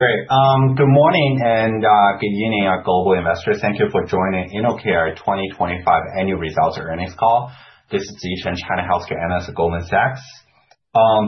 Great. Good morning and good evening our global investors. Thank you for joining InnoCare 2025 Annual Results Earnings Call. This is Ziyi Chen, China Healthcare Analyst at Goldman Sachs.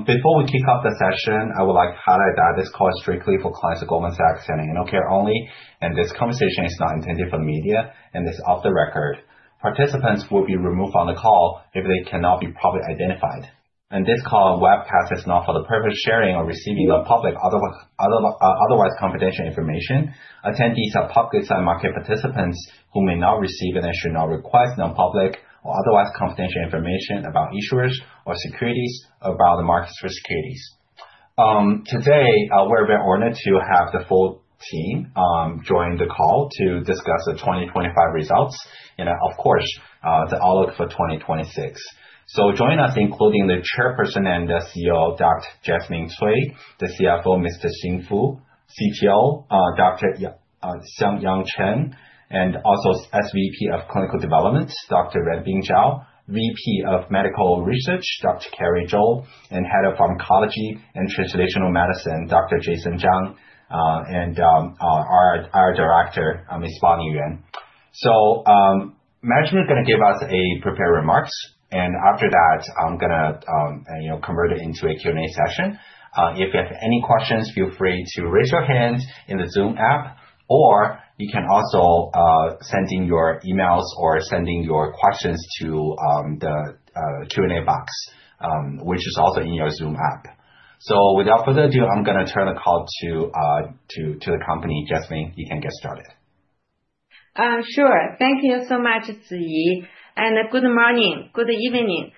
Before we kick off the session, I would like to highlight that this call is strictly for clients of Goldman Sachs and InnoCare only, and this conversation is not intended for media and is off the record. Participants will be removed on the call if they cannot be properly identified. This call and webcast is not for the purpose of sharing or receiving of public other otherwise confidential information. Attendees are public and market participants who may not receive, and they should not request non-public or otherwise confidential information about issuers or securities, or about the market for securities. Today, we're very honored to have the full team join the call to discuss the 2025 results and of course, the outlook for 2026. Joining us including the Chairperson and CEO, Dr. Jasmine Cui, the CFO, Mr. Xin Fu, CTO, Dr. Xiangyang Chen, and also SVP of Clinical Development, Dr. Renbin Zhao, VP of Medical Research, Dr. Carrie Zhou, and Head of Pharmacology and Translational Medicine, Dr. Jason Zhang, and our Director, Ms. Fang Yuan. Management is gonna give us prepared remarks, and after that I'm gonna, you know, convert it into a Q&A session. If you have any questions, feel free to raise your hand in the Zoom app or you can also send in your emails or send your questions to the Q&A box, which is also in your Zoom app. Without further ado, I'm gonna turn the call to the company. Jasmine, you can get started. Sure. Thank you so much, Ziyi. Good morning, good evening.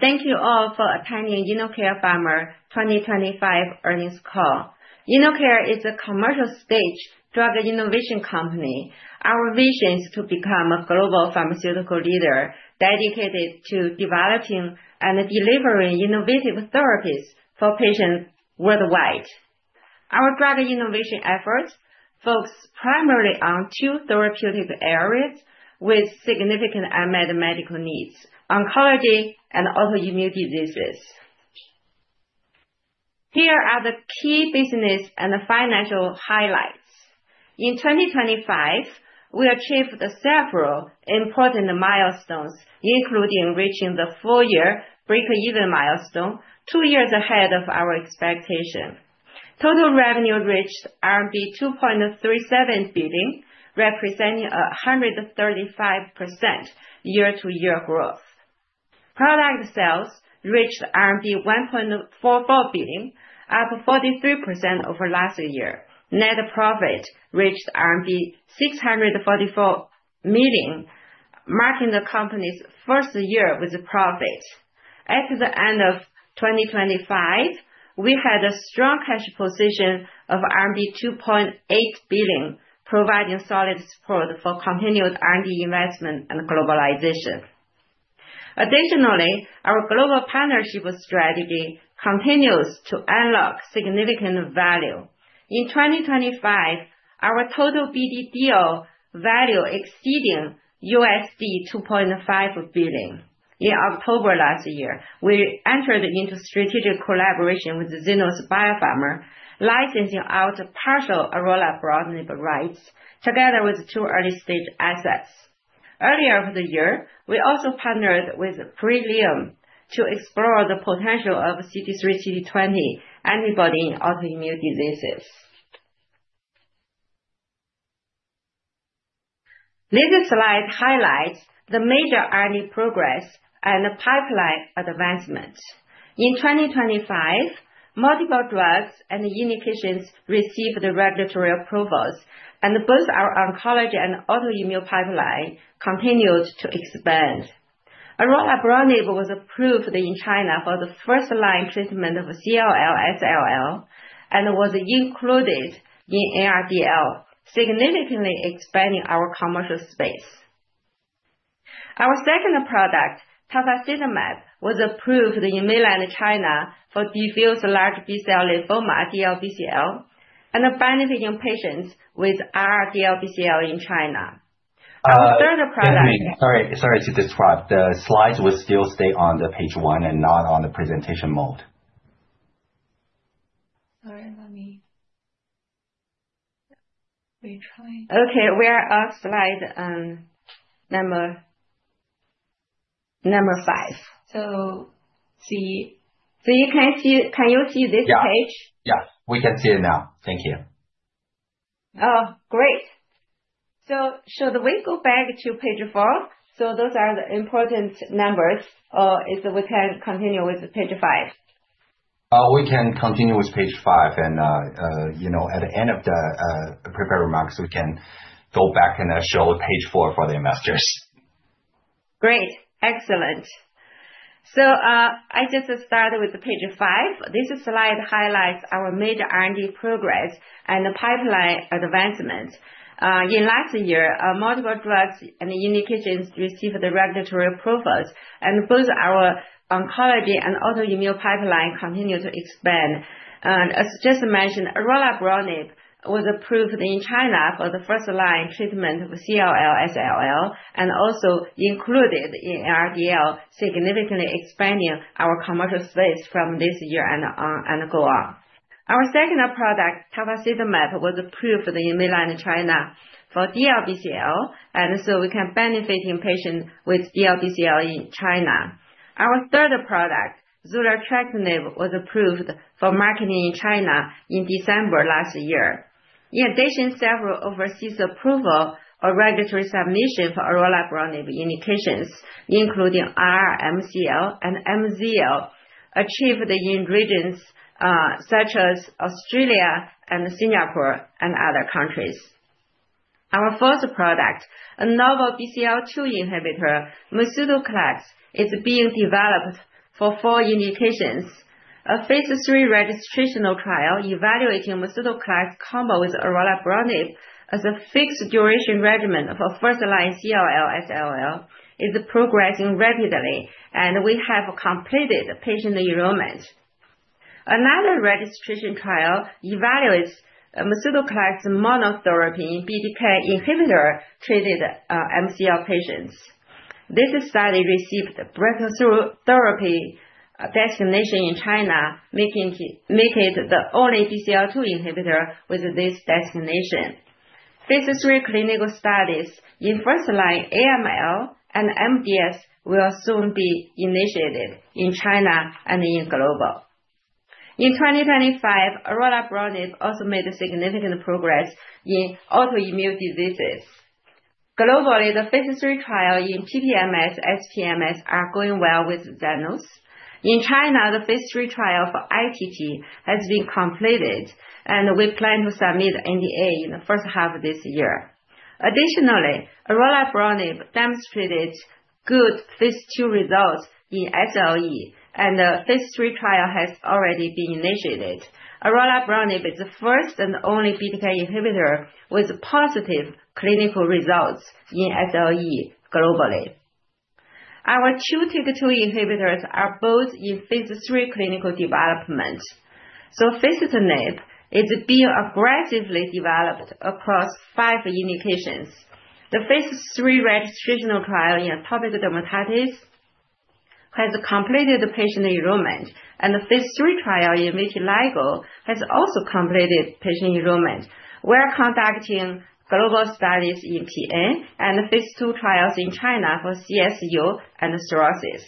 Thank you all for attending InnoCare Pharma 2025 Earnings Call. InnoCare is a commercial-stage drug innovation company. Our vision is to become a global pharmaceutical leader dedicated to developing and delivering innovative therapies for patients worldwide. Our drug innovation efforts focus primarily on two therapeutic areas with significant unmet medical needs, oncology and autoimmune diseases. Here are the key business and financial highlights. In 2025, we achieved several important milestones, including reaching the full-year breakeven milestone two years ahead of our expectation. Total revenue reached RMB 2.37 billion, representing 135% year-over-year growth. Product sales reached RMB 1.44 billion, up 43% over last year. Net profit reached RMB 644 million, marking the company's first year with a profit. At the end of 2025, we had a strong cash position of RMB 2.8 billion, providing solid support for continued R&D investment and globalization. Additionally, our global partnership strategy continues to unlock significant value. In 2025, our total BD deal value exceeded $2.5 billion. In October last year, we entered into strategic collaboration with Zenas BioPharma, licensing out partial Orelabrutinib broad label rights together with two early-stage assets. Earlier in the year, we also partnered with Prolium to explore the potential of CD3xCD20 antibody in autoimmune diseases. This slide highlights the major R&D progress and the pipeline advancements. In 2025, multiple drugs and indications received the regulatory approvals, and both our oncology and autoimmune pipeline continued to expand. Orelabrutinib broad label was approved in China for the first-line treatment of CLL/SLL and was included in NRDL, significantly expanding our commercial space. Our second product, Tafasitamab, was approved in mainland China for diffuse large B-cell lymphoma, DLBCL, and maintaining patients with R/R DLBCL in China. Our third product- Jasmine, sorry to interrupt. The slides will still stay on page one and not on the presentation mode. Sorry, let me retry. Okay, we are on slide number five. Ziyi, can you see this page? Yeah. Yeah, we can see it now. Thank you. Oh, great. Should we go back to page four? Those are the important numbers, if we can continue with page five. We can continue with page five and, you know, at the end of the prepared remarks, we can go back and show page four for the investors. Great. Excellent. I just start with page five. This slide highlights our major R&D progress and the pipeline advancement. In last year, multiple drugs and indications received the regulatory approvals, and both our oncology and autoimmune pipeline continue to expand. As just mentioned, Orelabrutinib was approved in China for the first-line treatment of CLL/SLL, and also included in NRDL, significantly expanding our commercial space from this year and go on. Our second product, Tafasitamab, was approved in mainland China for DLBCL, and so we can benefit patients with DLBCL in China. Our third product, Zurletrectinib, was approved for marketing in China in December last year. In addition, several overseas approvals or regulatory submissions for Orelabrutinib indications, including R/R MCL and MZL, achieved in regions such as Australia and Singapore and other countries. Our fourth product, another BCL-2 inhibitor, Mesutoclax, is being developed for four indications. A phase III registrational trial evaluating Mesutoclax combo with Orelabrutinib as a fixed duration regimen of a first-line CLL/SLL is progressing regularly, and we have completed patient enrollment. Another registration trial evaluates Mesutoclax monotherapy in BTK inhibitor-treated MCL patients. This study received breakthrough therapy designation in China, making it the only BCL-2 inhibitor with this designation. Phase III clinical studies in first-line AML and MDS will soon be initiated in China and globally. In 2025, Orelabrutinib also made significant progress in autoimmune diseases. Globally, the phase III trial in PPMS, SPMS are going well with Zenas. In China, the phase III trial for ITP has been completed, and we plan to submit NDA in the first half of this year. Orelabrutinib demonstrated good phase II results in SLE, and the phase III trial has already been initiated. Orelabrutinib is the first and only BTK inhibitor with positive clinical results in SLE globally. Our two TIGIT inhibitors are both in phase III clinical development. Soficitinib is being aggressively developed across five indications. The phase III registrational trial in atopic dermatitis has completed the patient enrollment, and the phase III trial in vitiligo has also completed patient enrollment. We're conducting global studies in PN and phase II trials in China for CSU and psoriasis.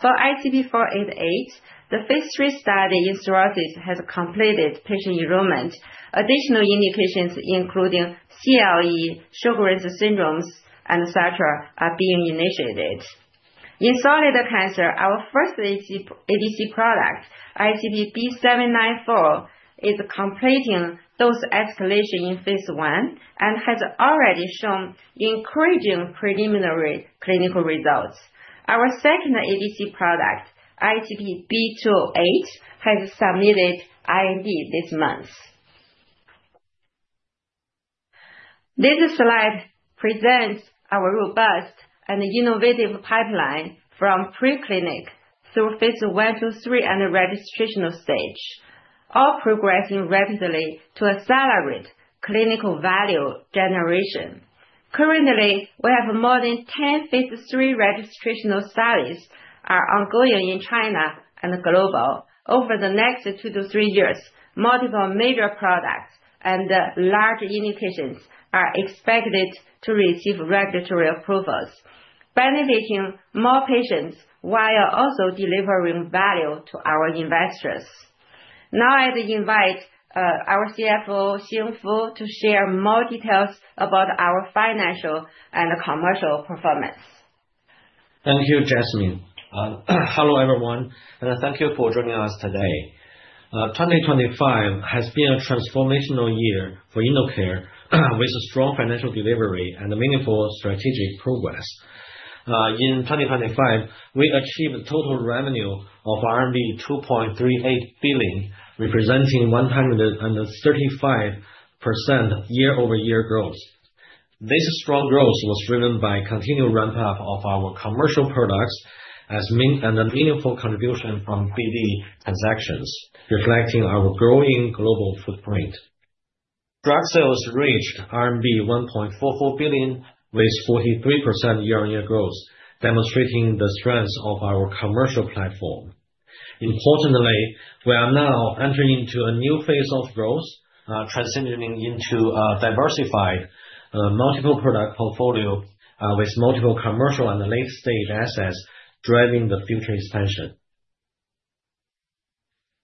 For ICP-488, the phase III study in psoriasis has completed patient enrollment. Additional indications including CLE, Sjögren's syndrome and et cetera are being initiated. In solid tumors, our first ADC product, ICP-B794, is completing dose escalation in phase I and has already shown encouraging preliminary clinical results. Our second ADC product, ICP-B208, has submitted IND this month. This slide presents our robust and innovative pipeline from preclinical through phase I through III and registrational stage, all progressing rapidly to accelerate clinical value generation. Currently, we have more than 10 phase III registrational studies are ongoing in China and globally. Over the next two-three years, multiple major products and large indications are expected to receive regulatory approvals, benefiting more patients while also delivering value to our investors. Now I invite our CFO, Xin Fu, to share more details about our financial and commercial performance. Thank you, Jasmine. Hello, everyone, and thank you for joining us today. 2025 has been a transformational year for InnoCare with a strong financial delivery and meaningful strategic progress. In 2025, we achieved total revenue of RMB 2.38 billion, representing 135% year-over-year growth. This strong growth was driven by continued ramp up of our commercial products and a meaningful contribution from BD transactions, reflecting our growing global footprint. Drug sales reached RMB 1.44 billion with 43% year-over-year growth, demonstrating the strength of our commercial platform. Importantly, we are now entering into a new phase of growth, transitioning into a diversified multiple product portfolio with multiple commercial and late-stage assets driving the future expansion.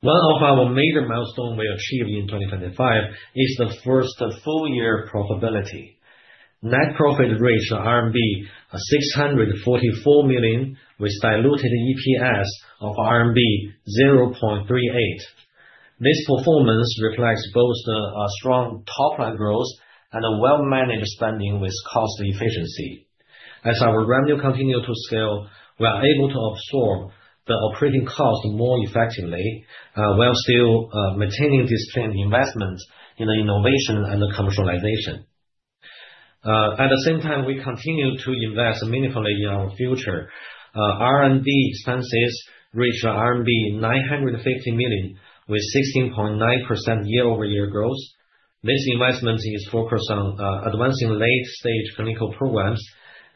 One of our major milestone we achieved in 2025 is the first full year profitability. Net profit reached 644 million RMB with diluted EPS of RMB 0.38. This performance reflects both the strong top line growth and a well-managed spending with cost efficiency. As our revenue continue to scale, we are able to absorb the operating cost more effectively while still maintaining disciplined investments in innovation and commercialization. At the same time, we continue to invest meaningfully in our future. R&D expenses reached RMB 950 million, with 16.9% year-over-year growth. This investment is focused on advancing late-stage clinical programs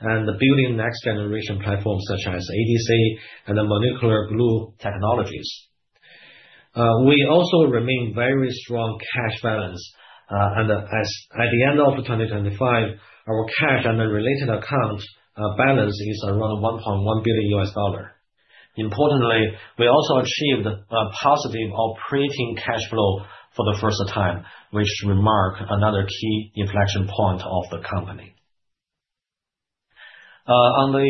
and building next-generation platforms such as ADC and the molecular glue technologies. We also remain very strong cash balance. At the end of 2025, our cash and cash equivalents balance is around $1.1 billion. Importantly, we also achieved a positive operating cash flow for the first time, which will mark another key inflection point of the company. On the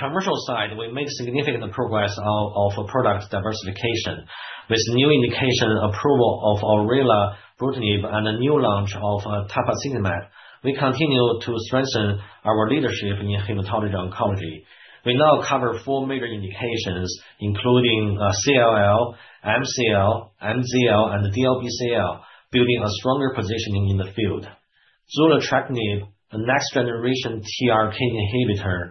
commercial side, we made significant progress in product diversification. With new indication approval of Orelabrutinib and the new launch of Tafasitamab, we continue to strengthen our leadership in hematology oncology. We now cover four major indications, including CLL, MCL, MZL, and DLBCL, building a stronger positioning in the field. Zurletrectinib, a next-generation TRK inhibitor,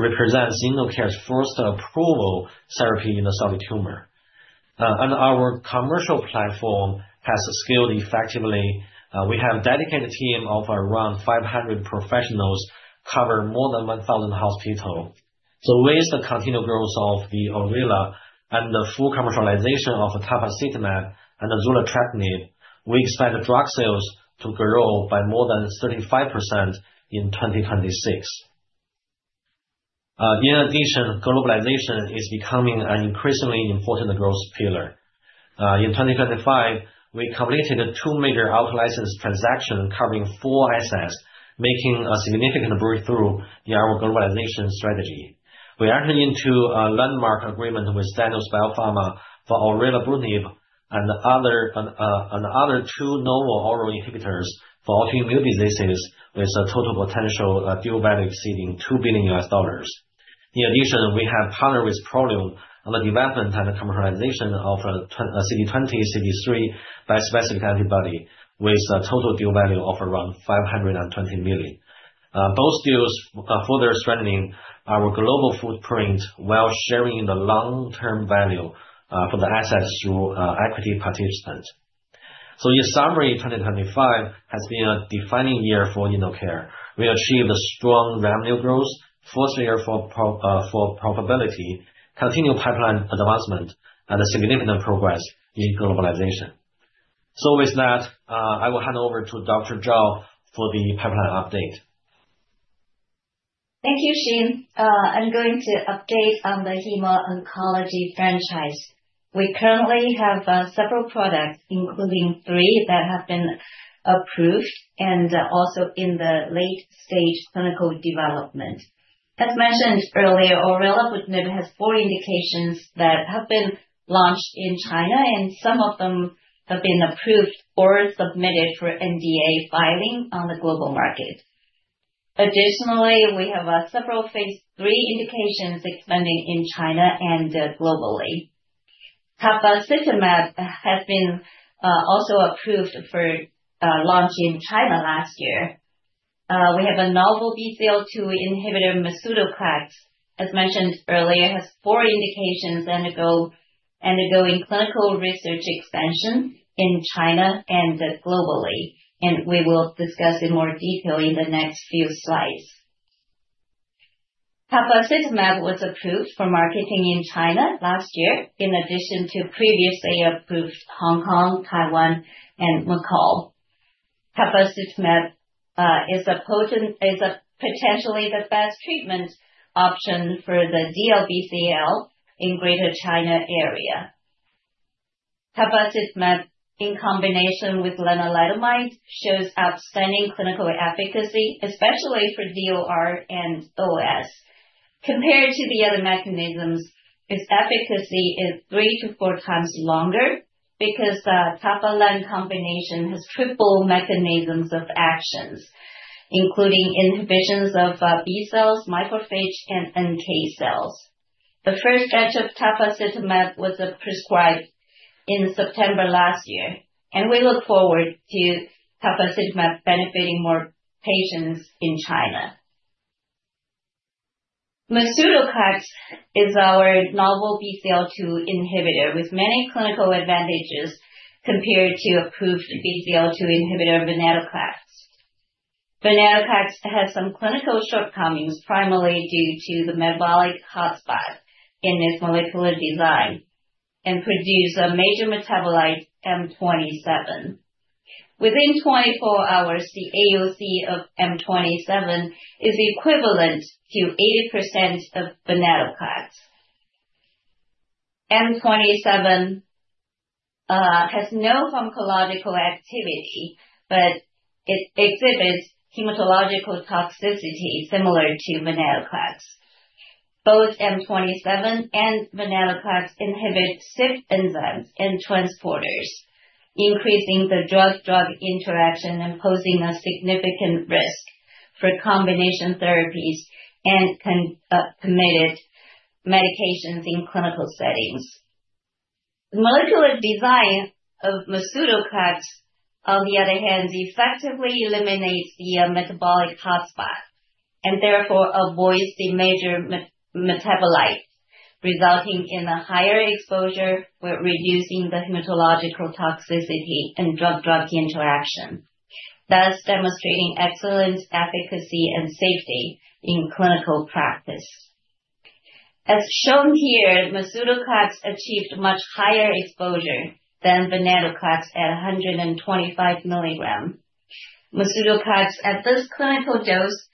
represents InnoCare's first approved therapy in a solid tumor. Our commercial platform has scaled effectively. We have a dedicated team of around 500 professionals covering more than 1,000 hospitals. With the continued growth of the Orelabrutinib and the full commercialization of Tafasitamab and the Zurletrectinib, we expect drug sales to grow by more than 35% in 2026. In addition, globalization is becoming an increasingly important growth pillar. In 2025, we completed two major out-license transactions covering four assets, making a significant breakthrough in our globalization strategy. We entered into a landmark agreement with Zenas Biopharma for Orelabrutinib and two other novel oral inhibitors for autoimmune diseases with a total potential deal value exceeding $2 billion. In addition, we have partnered with Prolium on the development and the commercialization of a CD20/CD3 bispecific antibody with a total deal value of around $520 million. Both deals are further strengthening our global footprint while sharing in the long-term value for the assets through equity participation. In summary, 2025 has been a defining year for InnoCare. We achieved strong revenue growth, fourth year for profitability, continued pipeline advancement, and a significant progress in globalization. With that, I will hand over to Dr. Zhao for the pipeline update. Thank you, Xin Fu. I'm going to update on the hema-oncology franchise. We currently have several products, including three that have been approved and are also in the late-stage clinical development. As mentioned earlier, Orelabrutinib has four indications that have been launched in China, and some of them have been approved or submitted for NDA filing on the global market. Additionally, we have several phase III indications expanding in China and globally. Tafasitamab has been also approved for launch in China last year. We have a novel BCL-2 inhibitor, Mesutoclax, as mentioned earlier, has four indications and undergoing clinical research expansion in China and globally, and we will discuss in more detail in the next few slides. Tafasitamab was approved for marketing in China last year, in addition to previously approved Hong Kong, Taiwan, and Macau. Tafasitamab is potentially the best treatment option for the DLBCL in Greater China area. Tafasitamab, in combination with Lenalidomide, shows outstanding clinical efficacy, especially for DOR and OS. Compared to the other mechanisms, its efficacy is three-four times longer because Tafasitamab-lenalidomide combination has triple mechanisms of actions, including inhibitions of B cells, macrophage, and NK cells. The first batch of Tafasitamab was prescribed in September last year, and we look forward to Tafasitamab benefiting more patients in China. Mesutoclax is our novel BCL-2 inhibitor with many clinical advantages compared to approved BCL-2 inhibitor, venetoclax. Venetoclax has some clinical shortcomings, primarily due to the metabolic hotspot in its molecular design, and produce a major metabolite, M27. Within 24 hours, the AUC of M27 is equivalent to 80% of venetoclax. M27 has no pharmacological activity, but it exhibits hematological toxicity similar to venetoclax. Both M27 and venetoclax inhibit CYP enzymes and transporters, increasing the drug-drug interaction and posing a significant risk for combination therapies and concomitant medications in clinical settings. The molecular design of Mesutoclax, on the other hand, effectively eliminates the metabolic hotspot and therefore avoids the major metabolite, resulting in a higher exposure while reducing the hematological toxicity and drug-drug interaction, thus demonstrating excellent efficacy and safety in clinical practice. As shown here, Mesutoclax achieved much higher exposure than venetoclax at 125 mg. Masitinib at this clinical dose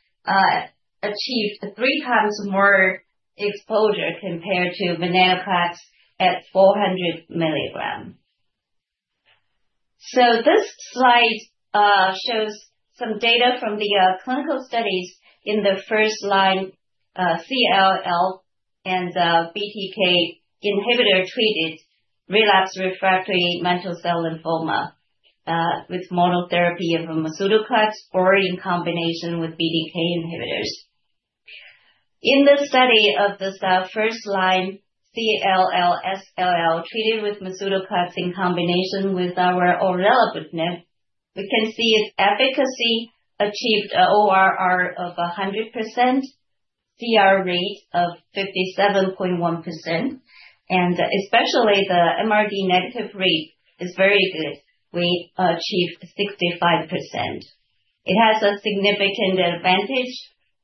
achieved three times more exposure compared to venetoclax at 400 mg. This slide shows some data from the clinical studies in the first-line CLL and BTK inhibitor-treated relapsed refractory mantle cell lymphoma with monotherapy of Mesutoclax or in combination with BTK inhibitors. In the study of this first-line CLL/SLL treated with Mesutoclax in combination with our Orelabrutinib, we can see its efficacy achieved ORR of 100%, CR rate of 57.1%, and especially the MRD-negative rate is very good. We achieved 65%. It has a significant advantage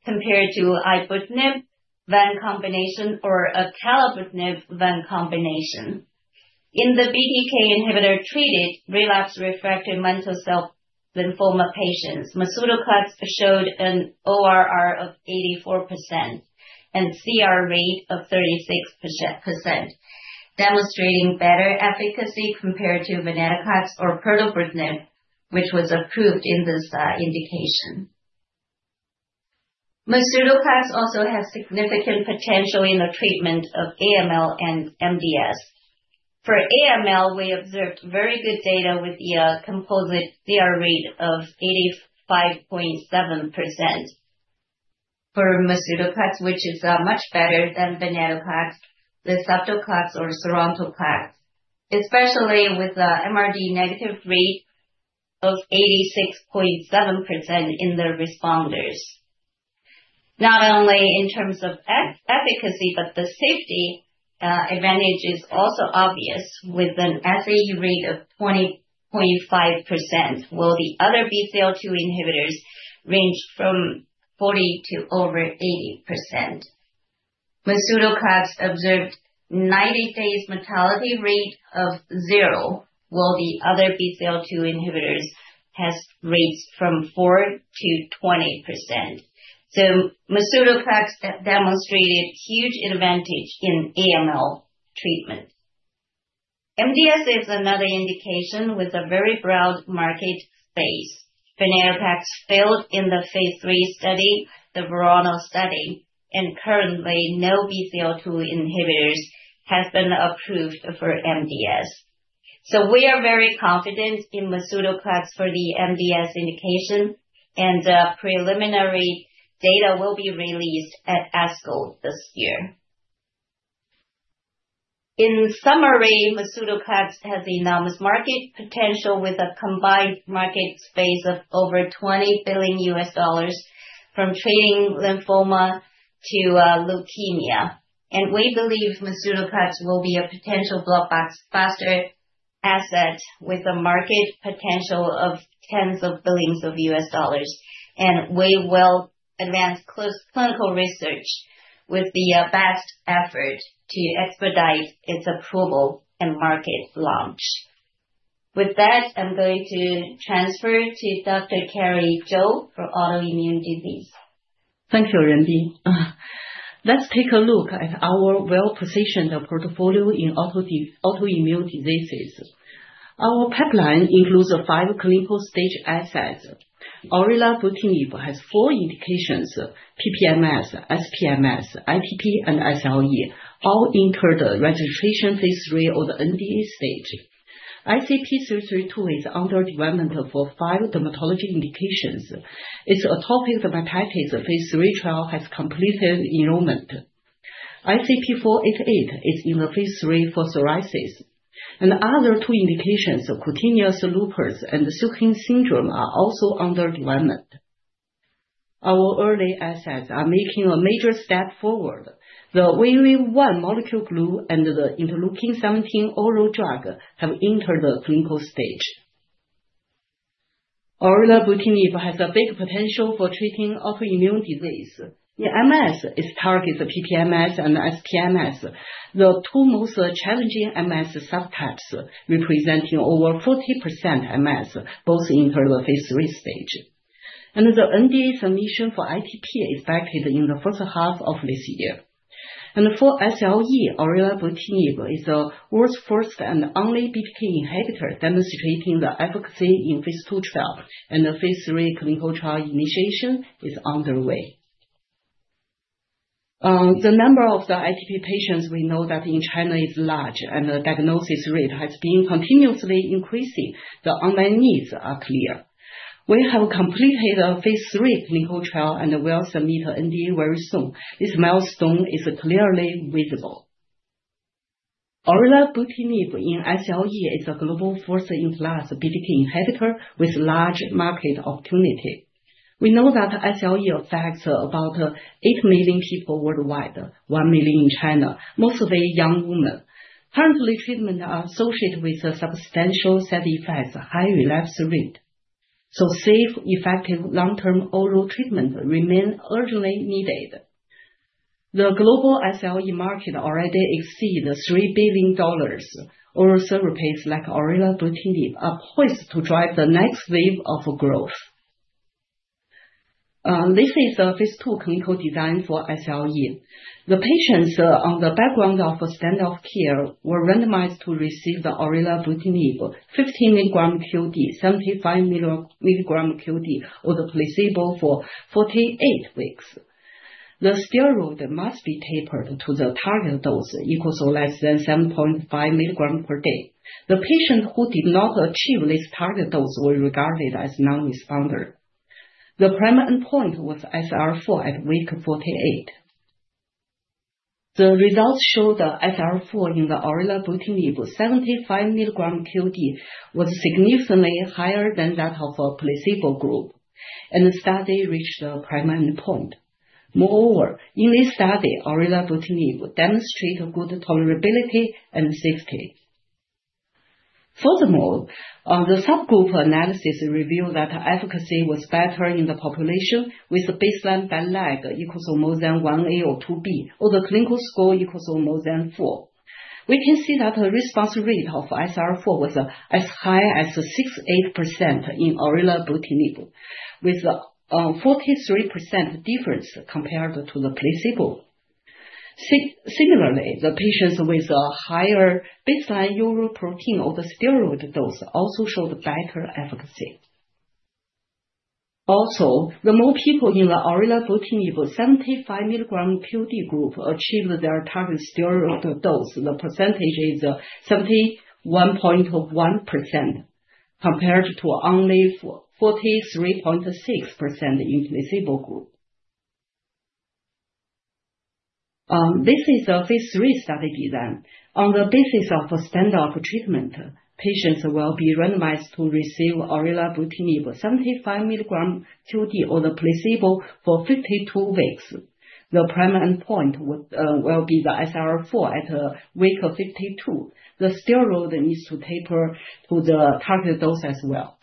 compared to Ibrutinib venetoclax combination or Acalabrutinib venetoclax combination. In the BTK inhibitor-treated relapsed refractory mantle cell lymphoma patients, Mesutoclax showed an ORR of 84% and CR rate of 36%, demonstrating better efficacy compared to ponatinib or Pirtobrutinib, which was approved in this indication. Mesutoclax also has significant potential in the treatment of AML and MDS. For AML, we observed very good data with the composite CR rate of 85.7%. For Mesutoclax, which is much better than venetoclax, Mesutoclax or sorafenib, especially with the MRD negative rate of 86.7% in the responders. Not only in terms of efficacy, but the safety advantage is also obvious, with an SAE rate of 20.5%, while the other BCL-2 inhibitors range from 40% to over 80%. Mesutoclax observed 90-day mortality rate of 0, while the other BCL-2 inhibitors has rates from 4%-20%. Mesutoclax demonstrated huge advantage in AML treatment. MDS is another indication with a very broad market base. Ponatinib failed in the phase III study, the VERONA study, and currently no BCL-2 inhibitors has been approved for MDS. We are very confident in Mesutoclax for the MDS indication and preliminary data will be released at ASCO this year. In summary, Mesutoclax has enormous market potential with a combined market space of over $20 billion from treating lymphoma to leukemia. We believe Mesutoclax will be a potential blockbuster asset with a market potential of tens of billions of dollars. We will advance close clinical research with the best effort to expedite its approval and market launch. With that, I'm going to transfer to Dr. Carrie Zhou for autoimmune disease. Thank you, Renbin. Let's take a look at our well-positioned portfolio in autoimmune diseases. Our pipeline includes five clinical stage assets. Orelabrutinib has four indications, PPMS, SPMS, ITP and SLE, all enter the registration phase III or the NDA stage. ICP332 is under development for five dermatology indications. Its atopic dermatitis phase III trial has completed enrollment. ICP488 is in the phase III for psoriasis. Other two indications, cutaneous lupus and Sjögren's syndrome, are also under development. Our early assets are making a major step forward. The VAV1 molecular glue and the IL-17 oral drug have entered the clinical stage. Orelabrutinib has a big potential for treating autoimmune disease. In MS, it targets the PPMS and SPMS, the two most challenging MS subtypes, representing over 40% MS both enter the phase III stage. The NDA submission for ITP expected in the first half of this year. For SLE, Orelabrutinib is the world's first and only BTK inhibitor demonstrating the efficacy in phase II trial, and the phase III clinical trial initiation is underway. The number of the ITP patients we know that in China is large, and the diagnosis rate has been continuously increasing. The unmet needs are clear. We have completed a phase III clinical trial and will submit NDA very soon. This milestone is clearly visible. Orelabrutinib in SLE is a global first-in-class BTK inhibitor with large market opportunity. We know that SLE affects about 8 million people worldwide, 1 million in China, mostly young women. Currently, treatment are associated with substantial side effects, high relapse rate. Safe, effective long-term oral treatment remain urgently needed. The global SLE market already exceed $3 billion. Oral therapies like Orelabrutinib are poised to drive the next wave of growth. This is the phase II clinical design for SLE. The patients on the background of standard care were randomized to receive the Orelabrutinib 15 mg QD, 75 mg QD, or the placebo for 48 weeks. The steroid must be tapered to the target dose, equal to less than 7.5 mg per day. The patient who did not achieve this target dose was regarded as non-responder. The primary endpoint was SRI-4 at week 48. The results show the SRI-4 in the Orelabrutinib 75 mg QD was significantly higher than that of a placebo group, and the study reached the primary endpoint. Moreover, in this study, Orelabrutinib demonstrate a good tolerability and safety. Furthermore, the subgroup analysis revealed that efficacy was better in the population with baseline BILAG equal to more than 1A or 2B, or the clinical score equal to more than four. We can see that the response rate of SRI-4 was as high as 68% in Orelabrutinib, with 43% difference compared to the placebo. Similarly, the patients with a higher baseline urine protein or the steroid dose also showed better efficacy. Also, more people in the Orelabrutinib 75 mg QD group achieved their target steroid dose. The percentage is 71.1% compared to only 43.6% in placebo group. This is a phase III study design. On the basis of standard treatment, patients will be randomized to receive Orelabrutinib 75 mg QD or the placebo for 52 weeks. The primary endpoint will be the SRI-4 at week 52. The steroid needs to taper to the target dose as well.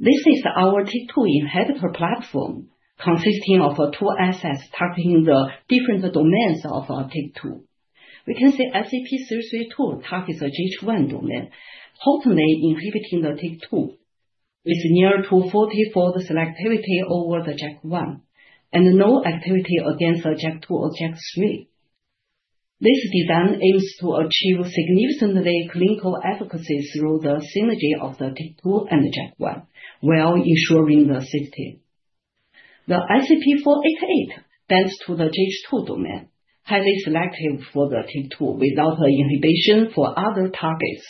This is our TYK2 inhibitor platform consisting of two assets targeting the different domains of TYK2. We can see ICP-332 targets the JH1 domain, totally inhibiting the TYK2. It's near to 40 for the selectivity over the JAK1, and no activity against JAK2 or JAK3. This design aims to achieve significantly clinical efficacy through the synergy of the TYK2 and JAK1 while ensuring the safety. The ICP-488 binds to the JH2 domain, highly selective for the TYK2 without inhibition for other targets.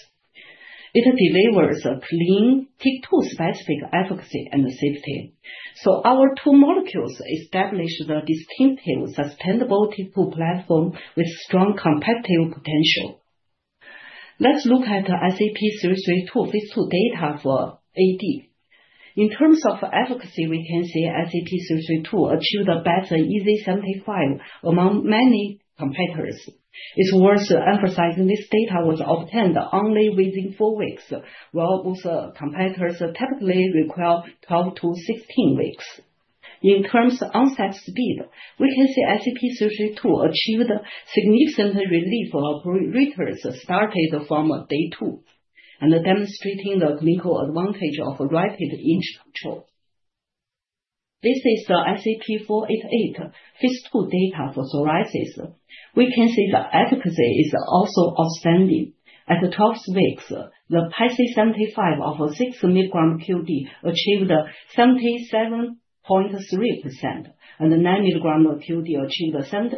It delivers a clean TYK2 specific efficacy and safety. Our two molecules establish the distinctive, sustainable TYK2 platform with strong competitive potential. Let's look at ICP-332 phase II data for AD. In terms of efficacy, we can see ICP-332 achieved a better EASI-75 among many competitors. It's worth emphasizing this data was obtained only within four weeks, while most competitors typically require 12-16 weeks. In terms of onset speed, we can see ICP-332 achieved significant relief of pruritus starting from day two, and demonstrating the clinical advantage of rapid itch control. This is the ICP-488 phase II data for psoriasis. We can see the efficacy is also outstanding. At the 12 weeks, the PASI 75 of 6 mg QD achieved 77.3%, and the 9 mg QD achieved 78.6%,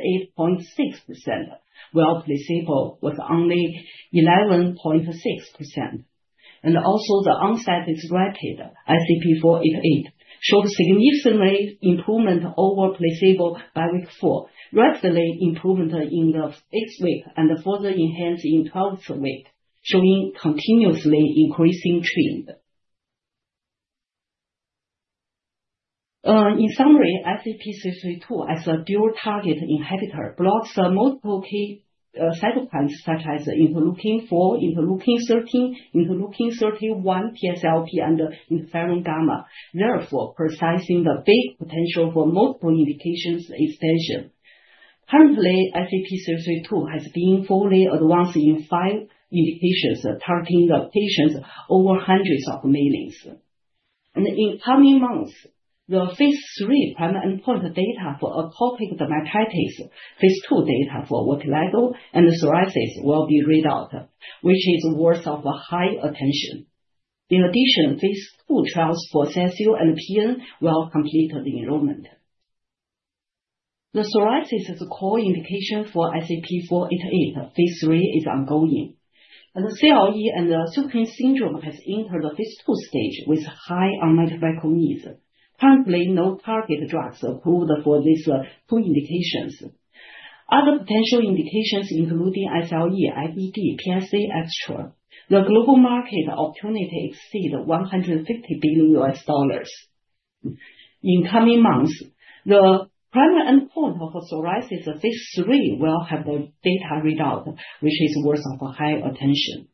while placebo was only 11.6%. The onset is also rapid. ICP-488 showed significant improvement over placebo by week four, rapid improvement in week six and further enhanced in week 12, showing continuously increasing trend. In summary, ICP-332 as a dual target inhibitor blocks multiple key cytokines such as IL-4, IL-13, IL-31, TSLP and interferon gamma, therefore precisely the big potential for multiple indications extension. Currently, ICP-332 has been fully advanced in five indications targeting the patients over hundreds of millions. In coming months, the phase III primary endpoint data for atopic dermatitis, phase II data for vitiligo and psoriasis will be read out, which is worth of high attention. In addition, phase II trials for Sjögren's and PN will complete the enrollment. The psoriasis is a core indication for ICP-488. Phase III is ongoing. The CLE and Sjögren's syndrome has entered the phase II stage with high unmet medical needs. Currently, no target drugs approved for these two indications. Other potential indications including SLE, IBD, PSC, etc. The global market opportunity exceed $150 billion. In coming months, the primary endpoint of psoriasis phase III will have a data readout, which is worth of high attention.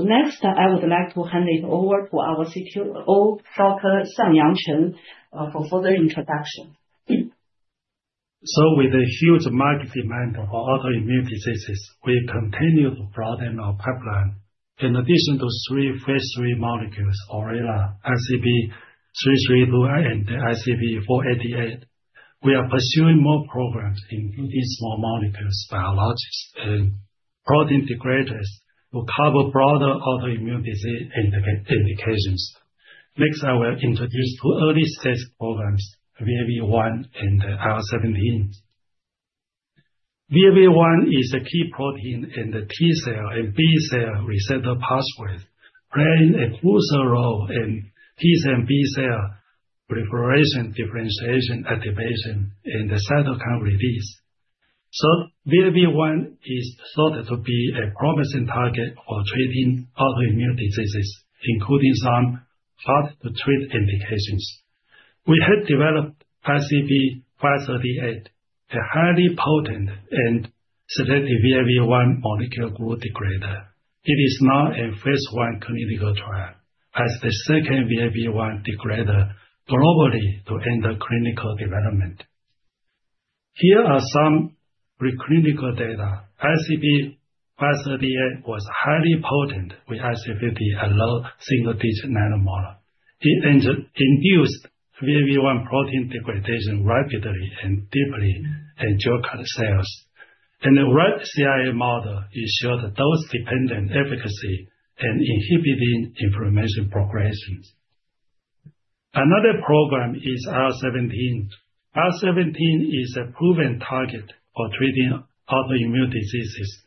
Next, I would like to hand it over to our CTO, Dr. Xiangyang Chen, for further introduction. With a huge market demand for autoimmune diseases, we continue to broaden our pipeline. In addition to three phase III molecules, Orelabrutinib, ICP-332 and ICP-488, we are pursuing more programs, including small molecules, biologics and protein degraders to cover broader autoimmune disease indications. Next, I will introduce two early-stage programs, VAV1 and IL-17. VAV1 is a key protein in the T-cell and B-cell receptor pathways, playing a crucial role in T-cell and B-cell proliferation, differentiation, activation, and cytokine release. VAV1 is thought to be a promising target for treating autoimmune diseases, including some hard-to-treat indications. We have developed ICP-538, a highly potent and selective VAV1 molecular glue degrader. It is now in phase I clinical trial as the second VAV1 degrader globally to enter clinical development. Here are some preclinical data. ICP-538 was highly potent with IC50 at low single-digit nanomolar. It induced VAV1 protein degradation rapidly and deeply in Jurkat cells. In the right CIA model, it showed dose-dependent efficacy in inhibiting inflammation progressions. Another program is IL-17. IL-17 is a proven target for treating autoimmune diseases.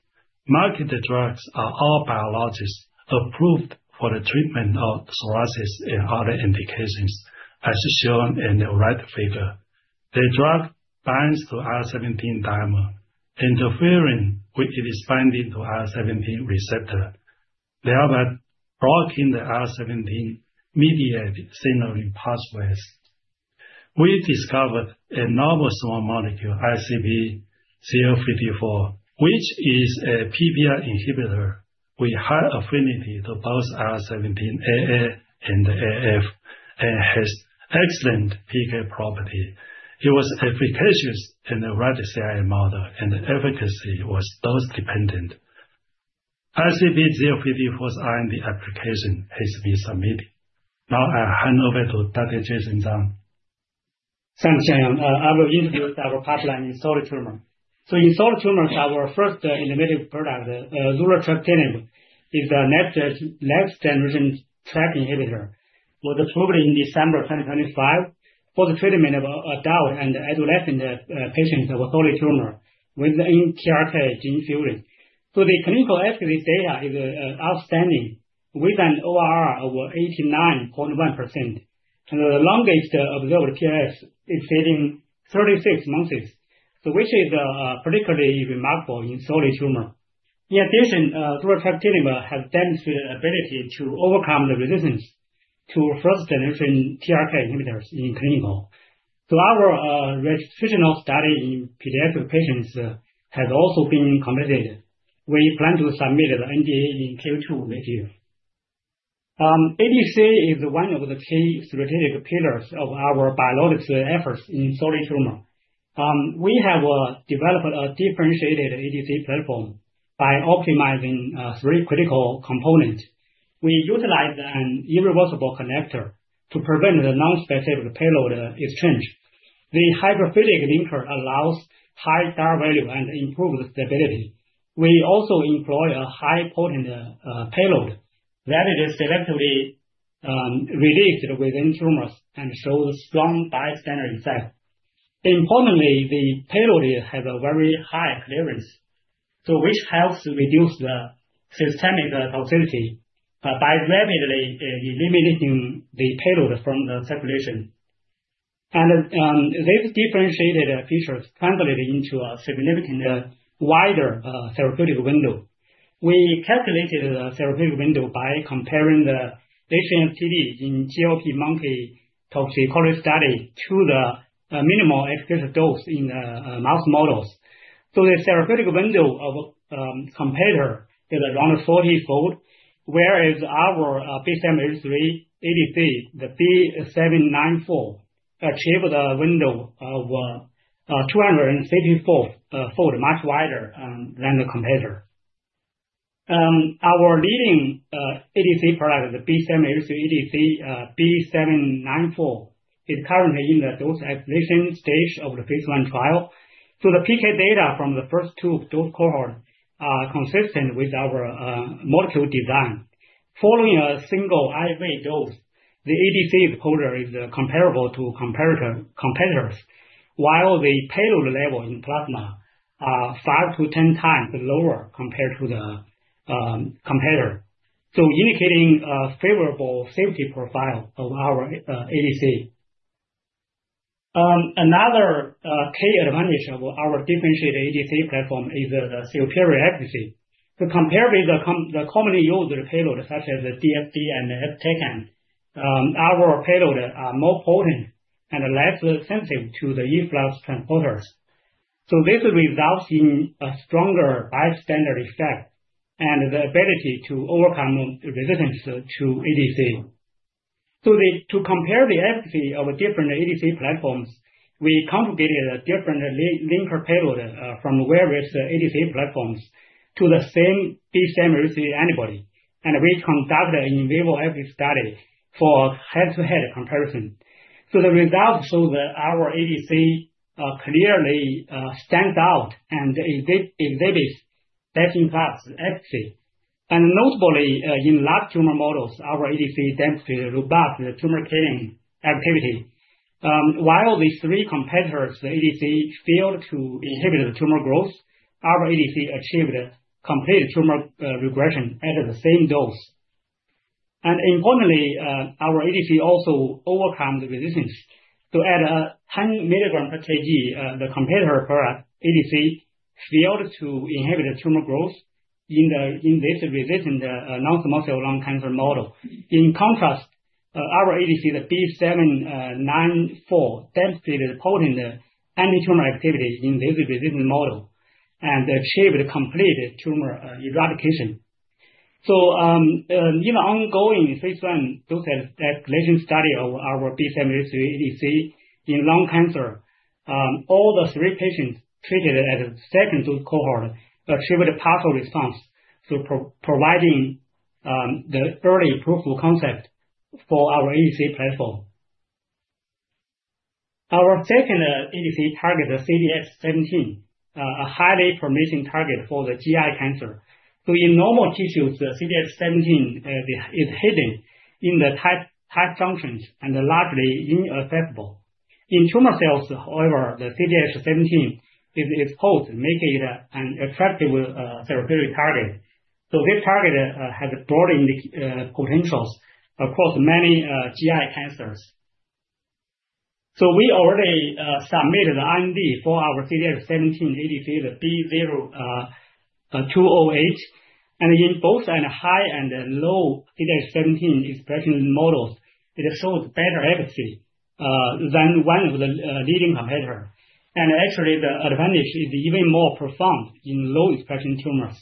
Marketed drugs are all biologics approved for the treatment of psoriasis and other indications, as shown in the right figure. The drug binds to IL-17 dimer, interfering with its binding to IL-17 receptor, thereby blocking the IL-17 mediated signaling pathways. We discovered a novel small molecule, ICP-054, which is a PBR inhibitor with high affinity to both IL-17AA and AF, and has excellent PK property. It was efficacious in the right CIA model and efficacy was dose-dependent. ICP-054's IND application has been submitted. Now I hand over to Dr. Jason Zhang. Thanks, Xiangyang. I will introduce our pipeline in solid tumors. In solid tumors, our first innovative product, Zurletrectinib is a next generation TRK inhibitor, was approved in December 2025 for the treatment of adult and adolescent patients with solid tumors with TRK gene fusion. The clinical efficacy data is outstanding with an ORR of 89.1%. The longest observed PFS exceeding 36 months, which is particularly remarkable in solid tumors. In addition, Zurletrectinib has demonstrated ability to overcome the resistance to first-generation TRK inhibitors in clinical. Our registrational study in pediatric patients has also been completed. We plan to submit an NDA in Q2 this year. ADC is one of the key strategic pillars of our biologics efforts in solid tumors. We have developed a differentiated ADC platform by optimizing three critical components. We utilize an irreversible connector to prevent the non-specific payload exchange. The hydrophilic linker allows high DAR value and improves stability. We also employ a highly potent payload that is selectively released within tumors and shows strong bystander effect. Importantly, the payload has a very high clearance, so which helps reduce the systemic toxicity by rapidly eliminating the payload from the circulation. These differentiated features translate into a significantly wider therapeutic window. We calculated the therapeutic window by comparing the patient TD in GLP monkey toxicology study to the minimal effective dose in mouse models. The therapeutic window of competitor is around 40-fold, whereas our B7-H3 ADC, the ICP-B794, achieve a window of 264-fold, much wider than the competitor. Our leading ADC product, the B7-H3 ADC, ICP-B794, is currently in the dose escalation stage of the phase I trial. The PK data from the first two dose cohort are consistent with our molecule design. Following a single IV dose, the ADC load is comparable to comparator, competitors, while the payload level in plasma are five-10 times lower compared to the competitor, indicating a favorable safety profile of our ADC. Another key advantage of our differentiated ADC platform is the superior efficacy. To compare with the commonly used payload, such as the DXd and the MMAE, our payload are more potent and less sensitive to the efflux transporters. This results in a stronger bystander effect and the ability to overcome resistance to ADC. To compare the efficacy of different ADC platforms, we conjugated a different linker payload from various ADC platforms to the same B7-H3 antibody, and we conducted an in vivo study for head-to-head comparison. The results show that our ADC clearly stands out and it exhibits best-in-class efficacy. Notably, in large tumor models, our ADC demonstrated robust tumor killing activity. While these three competitors, the ADC failed to inhibit the tumor growth, our ADC achieved a complete tumor regression at the same dose. Importantly, our ADC also overcomes the resistance to 10 mg/kg, the competitor's ADC failed to inhibit tumor growth in this resistant non-small cell lung cancer model. In contrast, our ADC, the B794, demonstrated potent anti-tumor activity in this resistant model, and achieved complete tumor eradication. In an ongoing phase I dose escalation study of our B7-H3 ADC in lung cancer, all three patients treated in the second cohort achieved a partial response, providing the early proof of concept for our ADC platform. Our second ADC target, the CDH17, a highly promising target for the GI cancer. In normal tissues, the CDH17 is hidden in the tight junctions and largely inaccessible. In tumor cells however, the CDH17 is exposed, making it an attractive therapeutic target. This target has broad indication potentials across many GI cancers. We already submitted IND for our CDH17 ADC, the ICP-B208. In both high and low CDH17 expression models, it shows better efficacy than one of the leading competitor. Actually, the advantage is even more profound in low-expression tumors.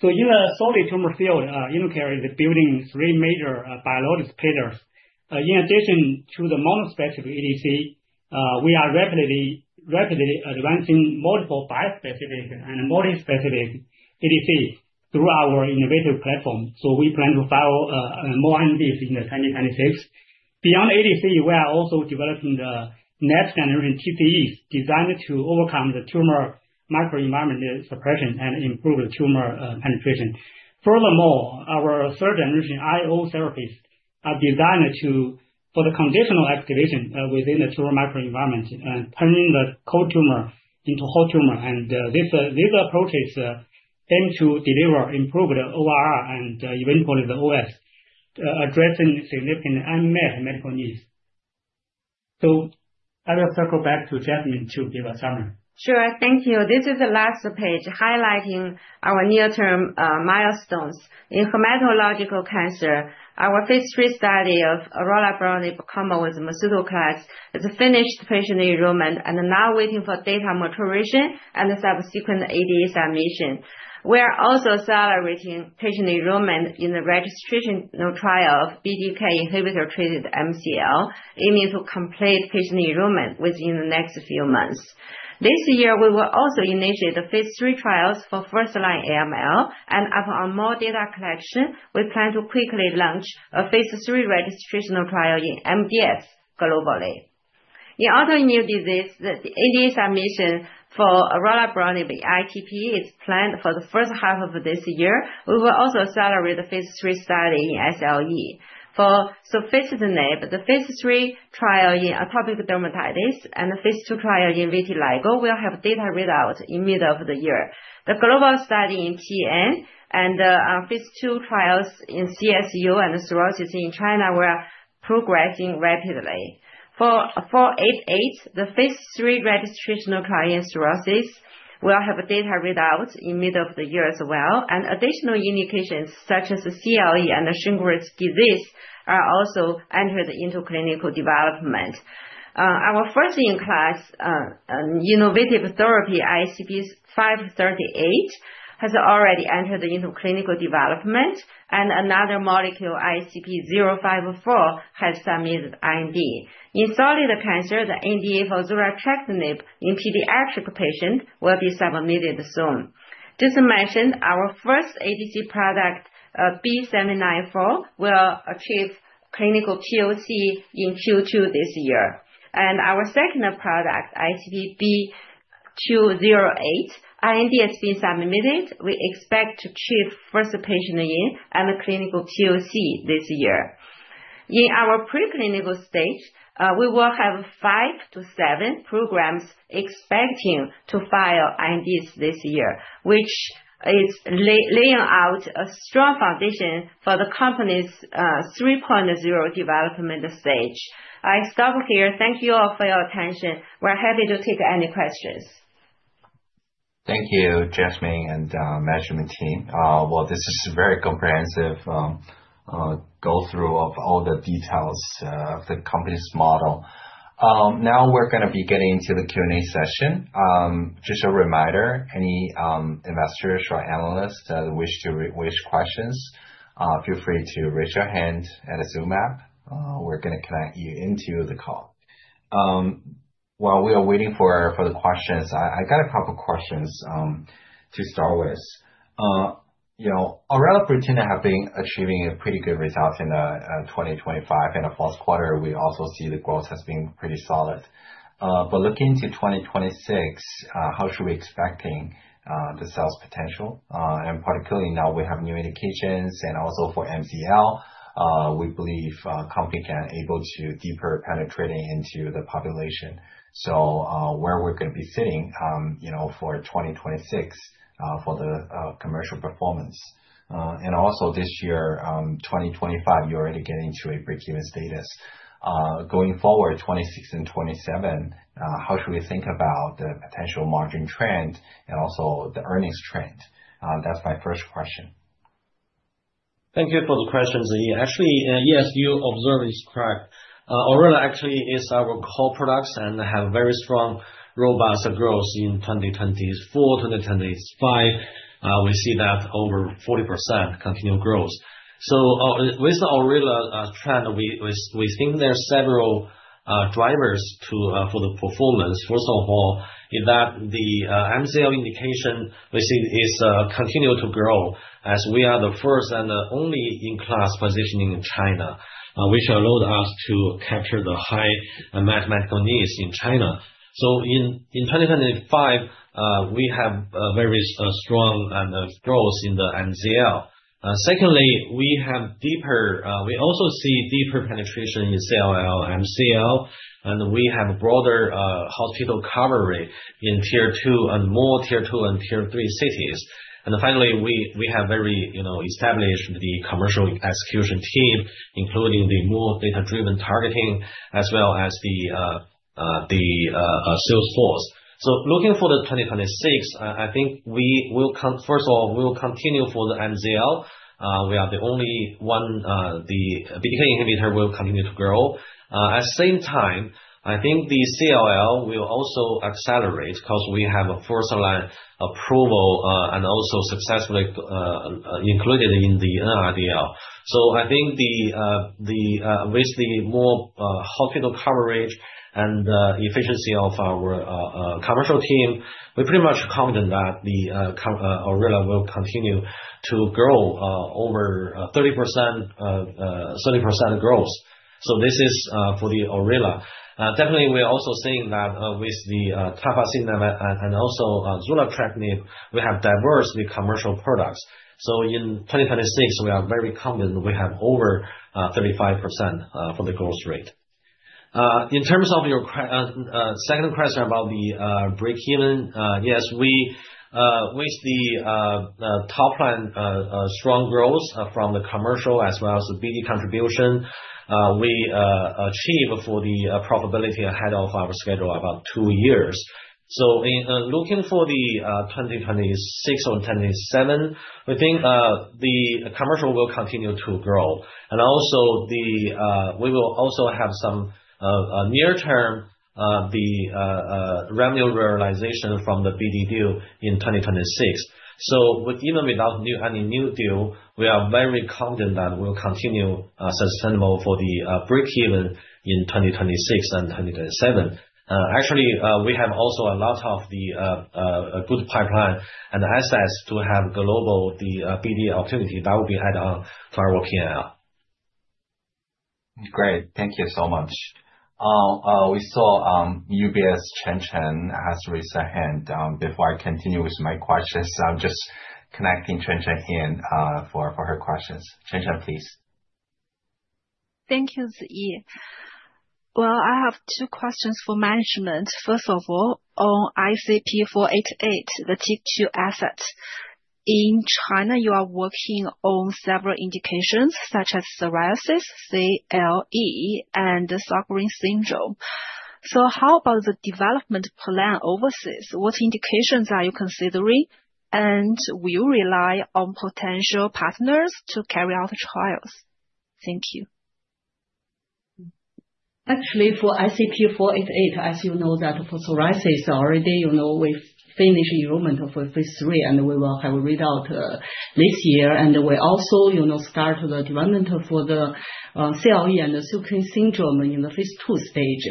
In the solid tumor field, InnoCare is building three major biologics pillars. In addition to the monospecific ADC, we are rapidly advancing multiple bispecific and multispecific ADC through our innovative platform. We plan to file more INDs in 2026. Beyond ADC, we are also developing the next generation TCEs designed to overcome the tumor microenvironment suppression and improve the tumor penetration. Furthermore, our third generation IO therapies are designed for the conditional activation within the tumor microenvironment, and turning the cold tumor into hot tumor. These approaches aim to deliver improved ORR and eventually the OS, addressing significant unmet medical needs. I will circle back to Jasmine to give a summary. Sure. Thank you. This is the last page highlighting our near-term milestones. In hematological cancer, our phase III study of Orelabrutinib combo with Mesutoclax has finished patient enrollment and are now waiting for data maturation and subsequent NDA submission. We are also accelerating patient enrollment in the registrational trial of BTK inhibitor-treated MCL, aiming to complete patient enrollment within the next few months. This year, we will also initiate the phase III trials for first-line AML, and upon more data collection, we plan to quickly launch a phase III registrational trial in MDS globally. In autoimmune disease, the NDA submission for Orelabrutinib ITP is planned for the first half of this year. We will also accelerate the phase III study in SLE. For Soficitinib, the phase III trial in atopic dermatitis and the phase II trial in vitiligo will have data read out in middle of the year. The global study in PN and phase II trials in CSU and psoriasis in China were progressing rapidly. For ICP-488, the phase III registrational trial in psoriasis will have data read out in middle of the year as well, and additional indications such as CLE and Sjögren's disease are also entered into clinical development. Our first-in-class innovative therapy, ICP-538, has already entered into clinical development, and another molecule, ICP-054, has submitted IND. In solid cancer, the NDA for Zurletrectinib in pediatric patient will be submitted soon. Just to mention, our first ADC product, ICP-B794, will achieve clinical POC in Q2 this year. Our second product, ICP-B208, IND has been submitted. We expect to achieve first patient in and a clinical POC this year. In our preclinical stage, we will have five-seven programs expecting to file INDs this year, which is laying out a strong foundation for the company's 3.0 development stage. I stop here. Thank you all for your attention. We're happy to take any questions. Thank you, Jasmine and management team. Well, this is a very comprehensive go through of all the details of the company's model. Now we're gonna be getting to the Q&A session. Just a reminder, any investors or analysts that wish to raise questions, feel free to raise your hand at the Zoom app. We're gonna connect you into the call. While we are waiting for the questions, I got a couple questions to start with. You know, Orelabrutinib have been achieving a pretty good results in 2025. In the first quarter, we also see the growth has been pretty solid. Looking into 2026, how should we expecting the sales potential? Particularly now we have new indications, and also for MCL, we believe the company can be able to deeper penetration into the population. Where we're gonna be sitting, you know, for 2026 for the commercial performance. This year, 2025, you're already getting to a breakeven status. Going forward, 2026 and 2027, how should we think about the potential margin trend and also the earnings trend? That's my first question. Thank you for the question, Ziyi. Actually, yes, your observation is correct. Orelabrutinib actually is our core products and have very strong, robust growth in 2024, 2025. We see that over 40% continued growth. With the Orelabrutinib trend, we think there are several drivers to for the performance. First of all, in that the MCL indication we see is continue to grow as we are the first and the only in-class positioning in China, which allowed us to capture the high unmet needs in China. In 2025, we have a very strong growth in the MCL. Secondly, we see deeper penetration in CLL, MCL, and we have broader hospital coverage in tier two and tier three cities. Finally, we have very, you know, established the commercial execution team, including the more data-driven targeting as well as the sales force. Looking for 2026, I think first of all we will continue for the MCL. We are the only one, the BTK inhibitor will continue to grow. At the same time, I think the CLL will also accelerate 'cause we have a first-line approval and also successfully included in the NRDL. I think with the more hospital coverage and efficiency of our commercial team, we're pretty much confident that the Orelabrutinib will continue to grow over 30%, 30% growth. This is for the Orelabrutinib. Definitely, we're also seeing that with the Tafasitamab and also Zurletrectinib, we have diverse commercial products. In 2026, we are very confident we have over 35% growth rate. In terms of your second question about the breakeven, yes, we with the top line strong growth from the commercial as well as the BD contribution, we achieve profitability ahead of our schedule about two years. In looking for the 2026 or 2027, we think the commercial will continue to grow. Also, we will also have some near-term revenue realization from the BD deal in 2026. Even without any new deal, we are very confident that we'll continue sustainable for the breakeven in 2026 and 2027. Actually, we have also a lot of the good pipeline and assets to have global the BD opportunity that will be ahead of our P&L. Great. Thank you so much. We saw UBS, Chen Chen has raised her hand. Before I continue with my questions, I'm just connecting Chen Chen in for her questions. Chen Chen, please. Thank you, Ziyi. Well, I have two questions for management. First of all, on ICP-488, the TYK2 asset. In China, you are working on several indications such as psoriasis, CLE, and Sjögren's syndrome. How about the development plan overseas? What indications are you considering? And will you rely on potential partners to carry out the trials? Thank you. Actually, for ICP-488, as you know that for psoriasis already, you know, we've finished enrollment for phase III, and we will have a readout this year. We also, you know, start the development for the CLE and the Sjögren's syndrome in the phase II stage.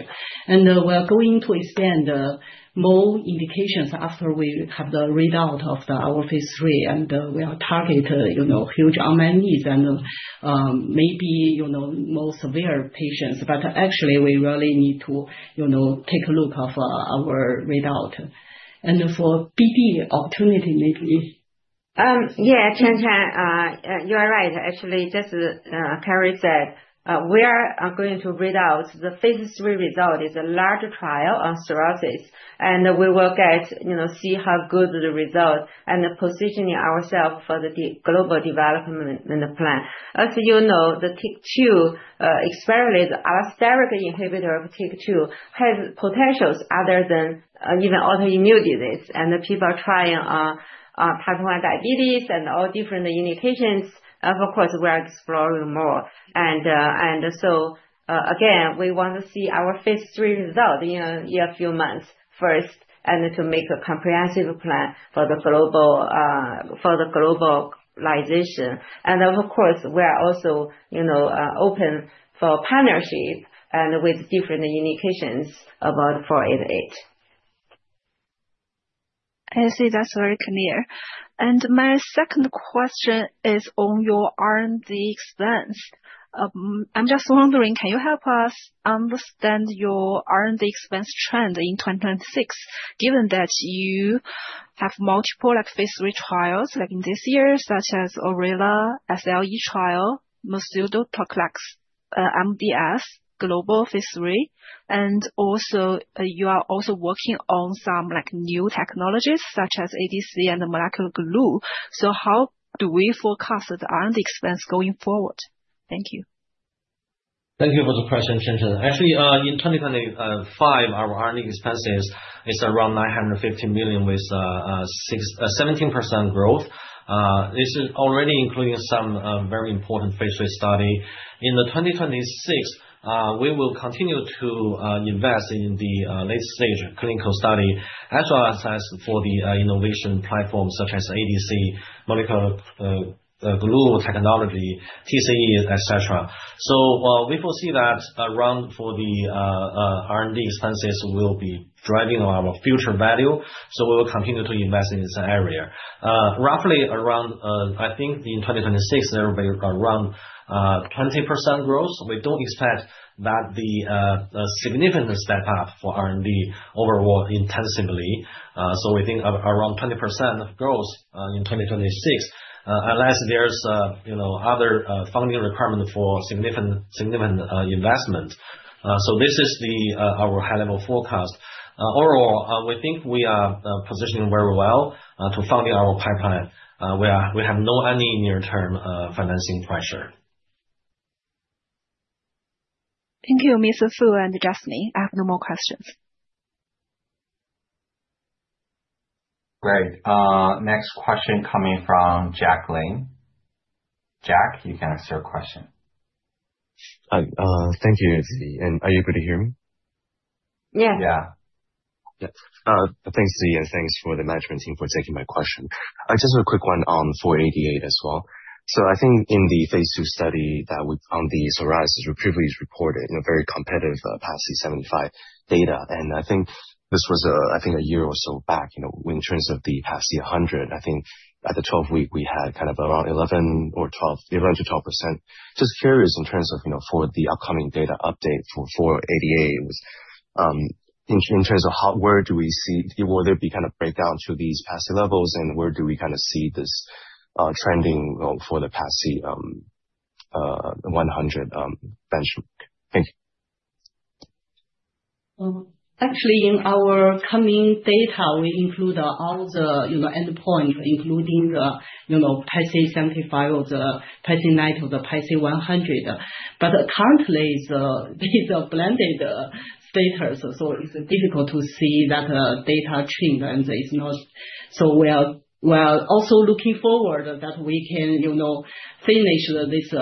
We are going to expand more indications after we have the readout of our phase III. We are targeting, you know, huge unmet needs and, maybe, you know, more severe patients. Actually we really need to, you know, take a look at our readout. For BD opportunity, maybe if- Chen Chen, you are right. Actually, just as Carrie said, we are going to read out the phase III result. It's a large trial on psoriasis, and we will get to see, you know, how good the result and positioning ourselves for the global development in the plan. As you know, our experimental TYK2 inhibitor therapy has potential in other, even autoimmune diseases. People are trying type 1 diabetes and all different indications. Of course, we are exploring more. Again, we wanna see our phase III result in a year or a few months first and to make a comprehensive plan for the globalization. Of course, we are also, you know, open for partnership and with different indications about ICP-488. I see. That's very clear. My second question is on your R&D expense. I'm just wondering, can you help us understand your R&D expense trend in 2026, given that you have multiple, like, phase III trials, like, in this year, such as Orelabrutinib, SLE trial, Mesutoclax, sonrotoclax, MDS, global phase III, and also you are also working on some, like, new technologies such as ADC and the molecular glue. How do we forecast the R&D expense going forward? Thank you. Thank you for the question, Chen Chen. Actually, in 2025, our R&D expenses are around 950 million with 17% growth. This is already including some very important phase III study. In 2026, we will continue to invest in the late-stage clinical study, as well as for the innovation platforms such as ADC, molecular glue technology, TCE, etc. We foresee that around for the R&D expenses will be driving our future value, so we will continue to invest in this area. Roughly around, I think in 2026, around 20% growth. We don't expect that the significant step up for R&D overall intensively. We think around 20% growth in 2026, unless there's, you know, other funding requirement for significant investment. This is our high-level forecast. Overall, we think we are positioned very well to fund our pipeline, where we have no any near-term financing pressure. Thank you, Mr. Fu and Jasmine. I have no more questions. Great. Next question coming from Jack Lane. Jack, you can ask your question. Thank you. Are you good to hear me? Yeah. Thanks, Ziyi, and thanks for the management team for taking my question. Just a quick one on ICP-488 as well. I think in the phase II study on the psoriasis, you previously reported in a very competitive PASI 75 data, and I think this was a year or so back, you know, in terms of the PASI 100, I think at the 12-week, we had kind of around 11%-12%. Just curious in terms of, you know, for the upcoming data update for ICP-488, in terms of where we see will there be kind of breakdown to these PASI levels? And where do we kind of see this trending for the PASI 100 benchmark? Thank you. Actually, in our coming data, we include all the, you know, endpoint, including the, you know, PASI 75 or the PASI 90 or the PASI 100. But currently it's these are blended status, so it's difficult to see that data trend, and it's not. We are also looking forward that we can, you know, finish this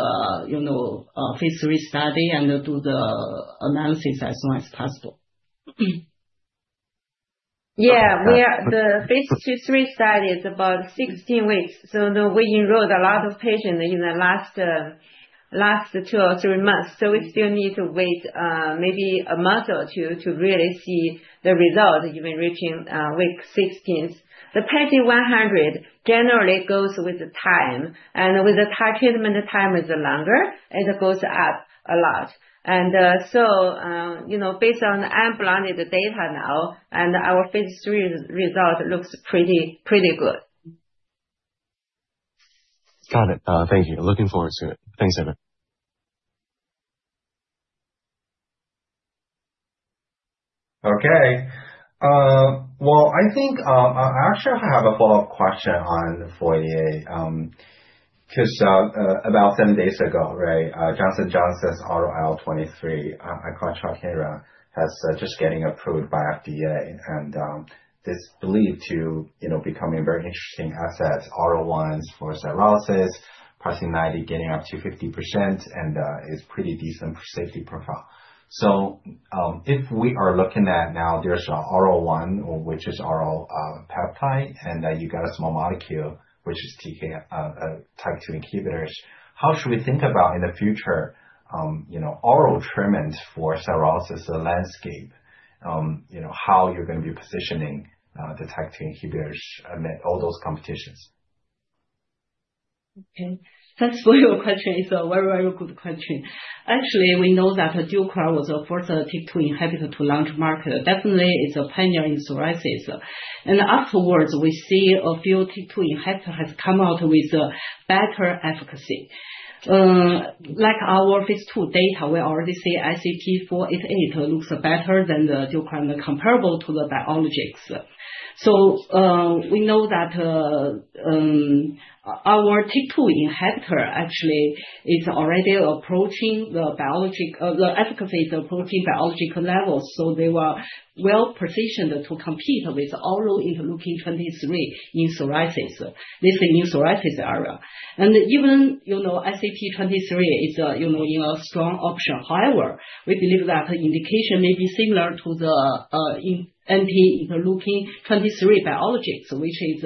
phase III study and do the analysis as soon as possible. Yeah. The phase II-III study is about 16 weeks, so we enrolled a lot of patients in the last two or three months. We still need to wait, maybe a month or two to really see the result, even reaching week 16. The PASI 100 generally goes with the time, and with the treatment time is longer, and it goes up a lot. You know, based on the unblinded data now and our phase III result, it looks pretty good. Got it. Thank you. Looking forward to it. Thanks, everyone. Well, I think actually I have a follow-up question on 488, because about 10 days ago, right, Johnson & Johnson's oral IL-23 clinical candidate has just getting approved by FDA. It's believed to, you know, becoming very interesting assets, oral ones for psoriasis, PASI 90, getting up to 50%, and it's pretty decent safety profile. If we are looking at now there's oral IL-23 which is oral peptide, and then you got a small molecule which is TYK2 inhibitors, how should we think about in the future, you know, oral treatments for psoriasis landscape, you know, how you're gonna be positioning the TYK2 inhibitors amid all those competitions? Okay. Thanks for your question. It's a very, very good question. Actually, we know that Deucravacitinib was the first TYK2 inhibitor to launch market. Definitely it's a pioneer in psoriasis. Afterwards, we see a few TYK2 inhibitors have come out with better efficacy. Like our phase II data, we already see ICP-488 looks better than the Deucravacitinib and comparable to the biologics. We know that our TYK2 inhibitor actually is already approaching biological levels, so they were well-positioned to compete with oral IL-23 in psoriasis. This is in psoriasis area. Even, you know, oral IL-23 is a, you know, strong option. However, we believe that the indication may be similar to those in anti-IL-23 biologics, which is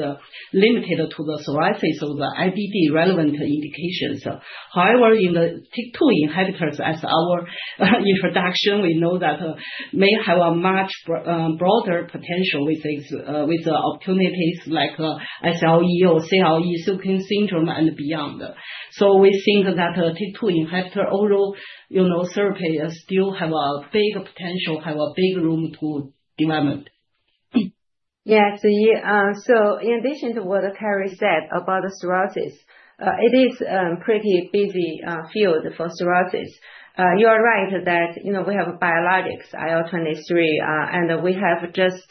limited to the psoriasis or the IBD-relevant indications. However, in the TYK2 inhibitors as our introduction, we know that may have a much broader potential with the opportunities like SLE or CLE, Sjögren's syndrome and beyond. We think that TYK2 inhibitor oral, you know, therapy still have a big potential, have a big room to development. In addition to what Carrie said about the psoriasis, it is a pretty busy field for psoriasis. You are right that, you know, we have biologics, IL-23, and we have just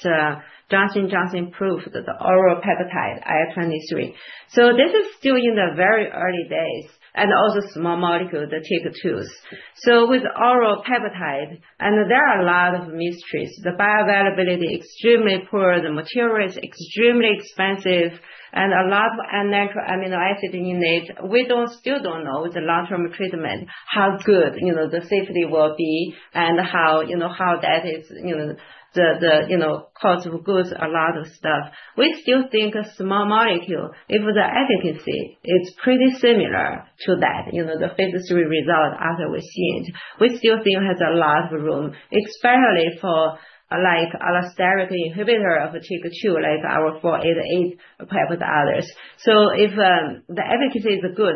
Johnson & Johnson approved the oral peptide, IL-23. This is still in the very early days and also small molecule, the TYK2s. With oral peptide and there are a lot of mysteries. The bioavailability extremely poor, the material is extremely expensive and a lot of amino acid in it. Still don't know the long-term treatment, how good, you know, the safety will be and how, you know, how that is, you know, the cost of goods, a lot of stuff. We still think a small molecule, if the efficacy is pretty similar to that, you know, the phase III result as we've seen, we still think it has a lot of room, especially for, like, allosteric inhibitor of TYK2, like our 488 compared with others. If the efficacy is good,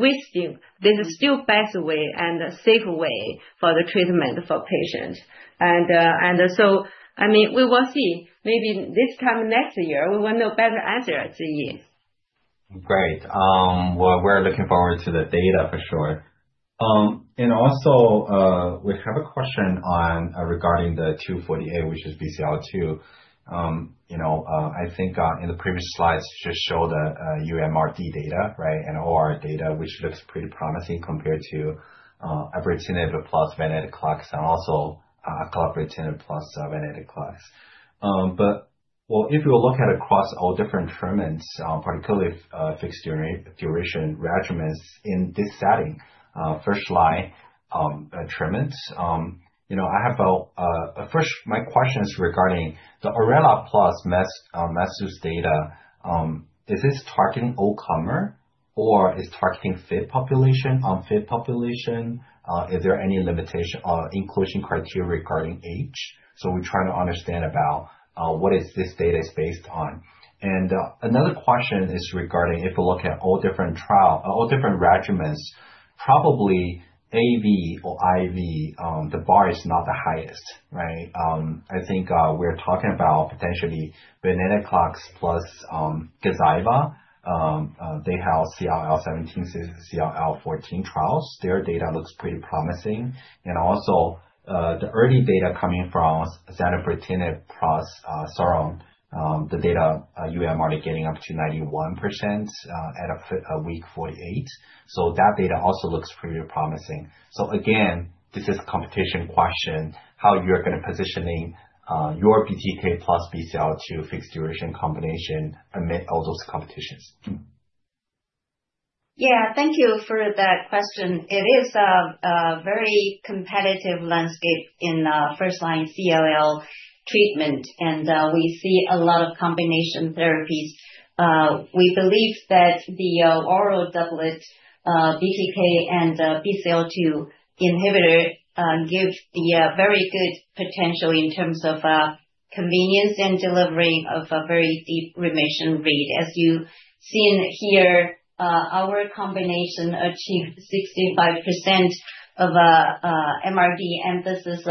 we think there's still a better way and a safer way for the treatment for patients. I mean, we will see. Maybe this time next year, we will know better answer to you. Great. Well, we're looking forward to the data for sure. Also, we have a question on. Regarding ICP-248, which is BCL-2. You know, I think in the previous slides just show the MRD data, right? ORR data, which looks pretty promising compared to ibrutinib plus venetoclax, and also ponatinib plus venetoclax. Well, if you look at across all different regimens, particularly fixed-duration regimens in this setting, first-line treatments, you know, my question is regarding the Orelabrutinib plus Mesutoclax data. Is this targeting all-comer or it's targeting fit population, unfit population? Is there any limitation or inclusion criteria regarding age? We're trying to understand about what this data is based on. Another question is regarding if you look at all different trials, all different regimens, probably AV or IV, the bar is not the highest, right? I think we're talking about potentially venetoclax plus Gazyva, they have CLL17, CLL14 trials. Their data looks pretty promising. The early data coming from zanubrutinib plus Sonrotoclax, the data ORR getting up to 91% at week 48. This is a competition question, how you're gonna position your BTK plus BCL-2 fixed duration combination amid all those competitions. Yeah. Thank you for that question. It is a very competitive landscape in first-line CLL treatment, and we see a lot of combination therapies. We believe that the oral doublet BTK and BCL-2 inhibitor gives very good potential in terms of convenience and delivering of a very deep remission rate. As you've seen here, our combination achieved 65% of MRD, and this is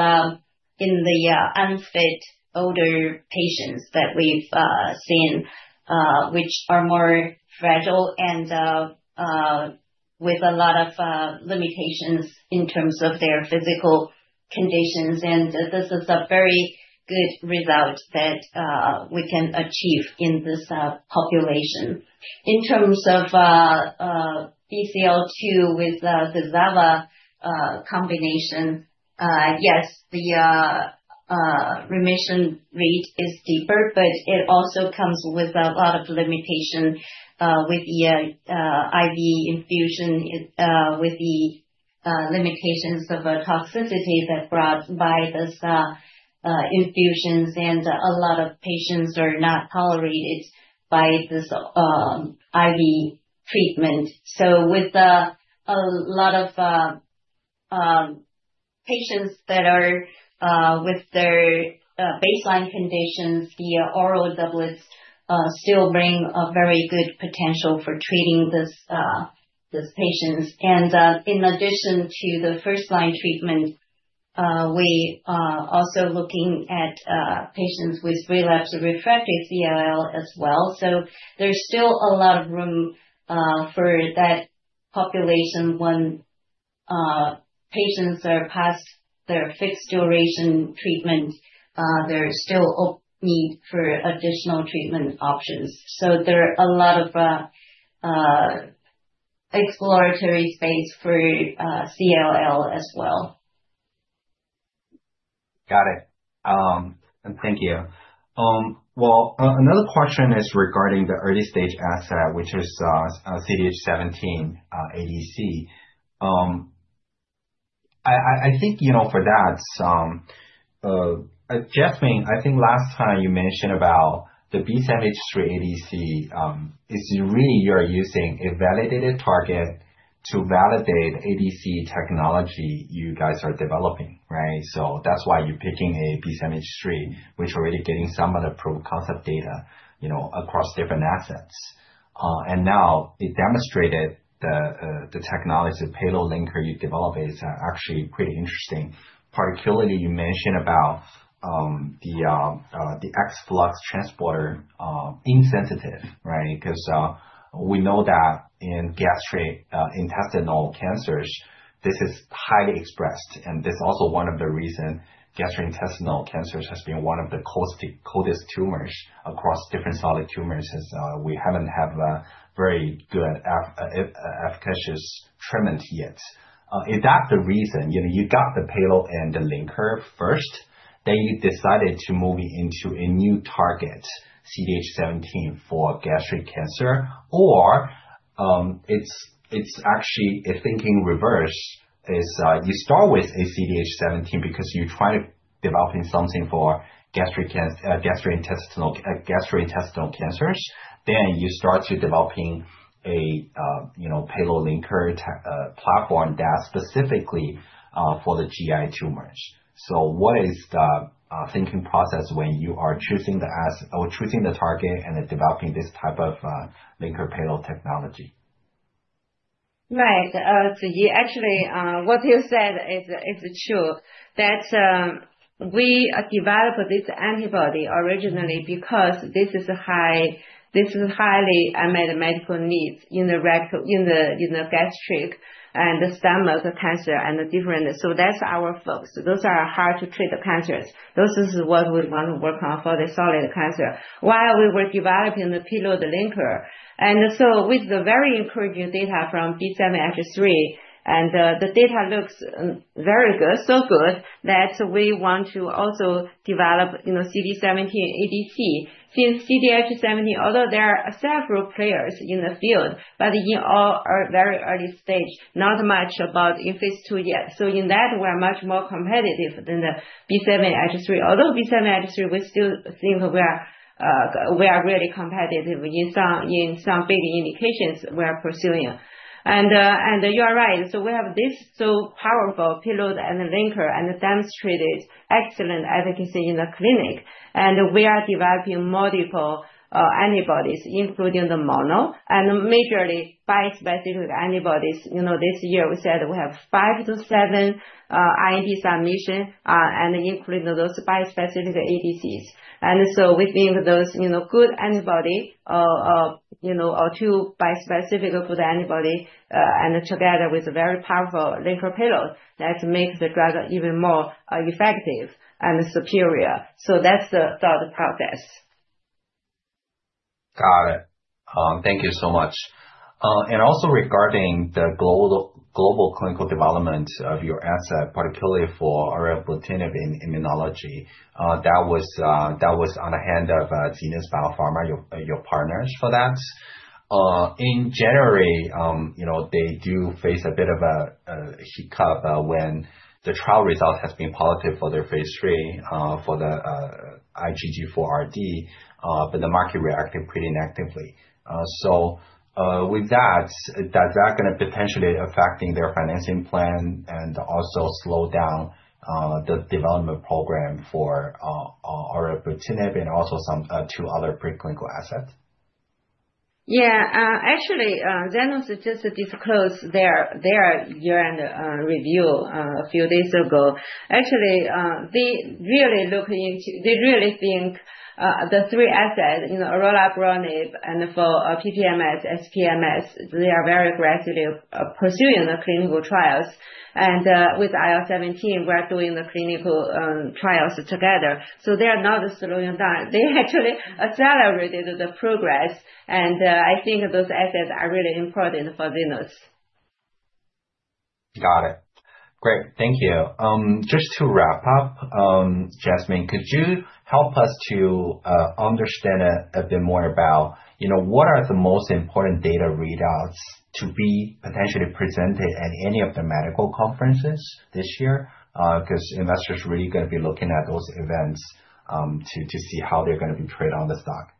in the unfit older patients that we've seen, which are more fragile and with a lot of limitations in terms of their physical conditions. This is a very good result that we can achieve in this population. In terms of BCL-2 with the Gazyva combination, yes, the remission rate is deeper, but it also comes with a lot of limitations with the IV infusion, with the limitations of the toxicity brought by these infusions. A lot of patients cannot tolerate this IV treatment. With a lot of patients that are with their baseline conditions, the oral doublets still bring a very good potential for treating these patients. In addition to the first-line treatment, we are also looking at patients with relapsed refractory CLL as well. There's still a lot of room for that population when patients are past their fixed duration treatment, there's still a need for additional treatment options. There are a lot of exploratory space for CLL as well. Got it. Thank you. Well, another question is regarding the early stage asset, which is CDH17 ADC. I think, you know, for that, Jasmine, I think last time you mentioned about the B7-H3 ADC is really you're using a validated target to validate ADC technology you guys are developing, right? So that's why you're picking a B7-H3, which already getting some of the proof of concept data, you know, across different assets. And now it demonstrated the technology payload linker you developed is actually pretty interesting. Particularly you mentioned about the efflux transporter insensitive, right? Cause we know that in gastric intestinal cancers, this is highly expressed and this is also one of the reason gastrointestinal cancers has been one of the closest tumors across different solid tumors is we haven't had a very good efficacious treatment yet. Is that the reason? You know, you got the payload and the linker first, then you decided to move into a new target, CDH17, for gastric cancer. Or it's actually a thinking reverse, you start with a CDH17 because you try developing something for gastric gastrointestinal cancers, then you start to developing a you know, payload linker platform that's specifically for the GI tumors. What is the thinking process when you are choosing the asset or choosing the target and then developing this type of linker payload technology? Right. Ziyi, actually, what you said is true, that we developed this antibody originally because this is highly a medical need in the gastric and the stomach cancer and the different. That's our focus. Those are hard to treat cancers. Those is what we wanna work on for the solid cancer while we were developing the payload linker. With the very encouraging data from B7-H3, the data looks very good, so good that we want to also develop, you know, CDH17 ADC. Since CDH17, although there are several players in the field, but in all are very early stage, not much about in phase II yet. So in that, we're much more competitive than the B7-H3. Although B7-H3, we still think we are really competitive in some big indications we are pursuing. You are right, so we have this so powerful payload and linker and demonstrated excellent efficacy in the clinic. We are developing multiple antibodies, including the mono and mainly bispecific antibodies. You know, this year we said we have five to seven IND submissions, and including those bispecific ADCs. We think those, you know, good antibody, you know, or two bispecific good antibody, and together with a very powerful linker payload that makes the drug even more effective and superior. That's the thought process. Got it. Thank you so much. Also regarding the global clinical development of your asset, particularly for Orelabrutinib in immunology, that was in the hands of Zenas BioPharma, your partners for that. In January, you know, they do face a bit of a hiccup when the trial result has been positive for their phase III for the IgG4-RD, but the market reacted pretty negatively. With that, is that gonna potentially affecting their financing plan and also slow down the development program for Orelabrutinib and also some two other preclinical assets? Yeah. Actually, Zenas just disclosed their year-end review a few days ago. Actually, they really think the three assets, you know, Orelabrutinib and for PPMS, SPMS, they are very aggressively pursuing the clinical trials. With IL-17, we're doing the clinical trials together. They are not slowing down. They actually accelerated the progress. I think those assets are really important for Zenas. Got it. Great. Thank you. Just to wrap up, Jasmine, could you help us to understand a bit more about, you know, what are the most important data readouts to be potentially presented at any of the medical conferences this year? 'Cause investors are really gonna be looking at those events to see how they're gonna trade on the stock.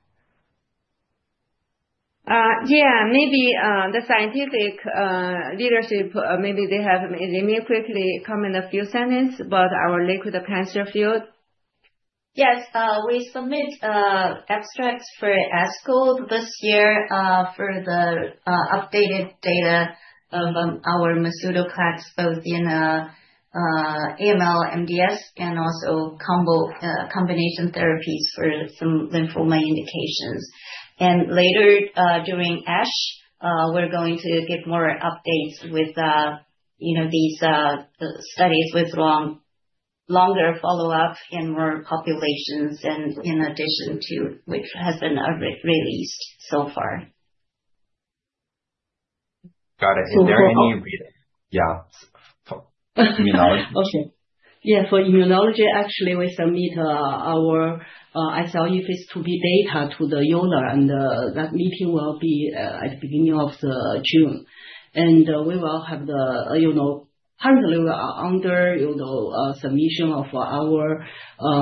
Yeah, maybe the scientific leadership. Let me quickly comment a few sentences about our liquid cancer field. Yes, we submitted abstracts for ASCO this year for the updated data of our Mesutoclax, both in AML, MDS, and also combination therapies for some lymphoma indications. Later during ASH, we're going to give more updates with you know these studies with longer follow-up in more populations and in addition to which has been released so far. Got it. Is there any reading? Yeah. Sorry. Immunology. Okay. Yeah. For immunology, actually, we submit our ICP-488 data to the EULAR, and that meeting will be at the beginning of June. We will have. Currently we are under submission of our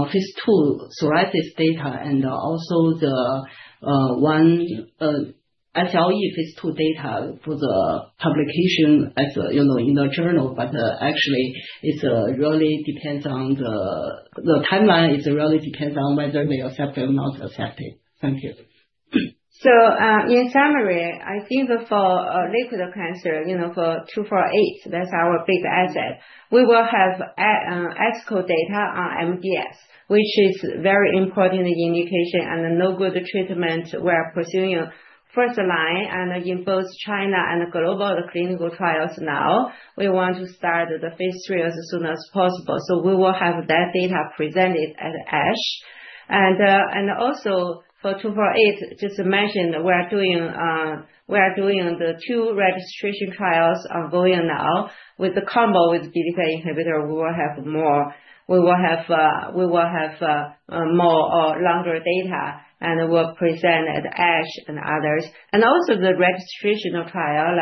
phase II psoriasis data and also the ICP-488 phase II data for the publication in a journal, but actually it really depends on the timeline. It really depends on whether they accept it or not accept it. Thank you. In summary, I think for liquid cancer, you know, for ICP-248, that's our big asset. We will have ASCO data on MDS, which is very important indication and no good treatment. We are pursuing first line and in both China and global clinical trials now. We want to start the phase III as soon as possible. We will have that data presented at ASH. Also for ICP-248, just to mention, we are doing the two registration trials are going now with the combo with BTK inhibitor. We will have more or longer data, and we'll present at ASH and others. Also the registrational trial,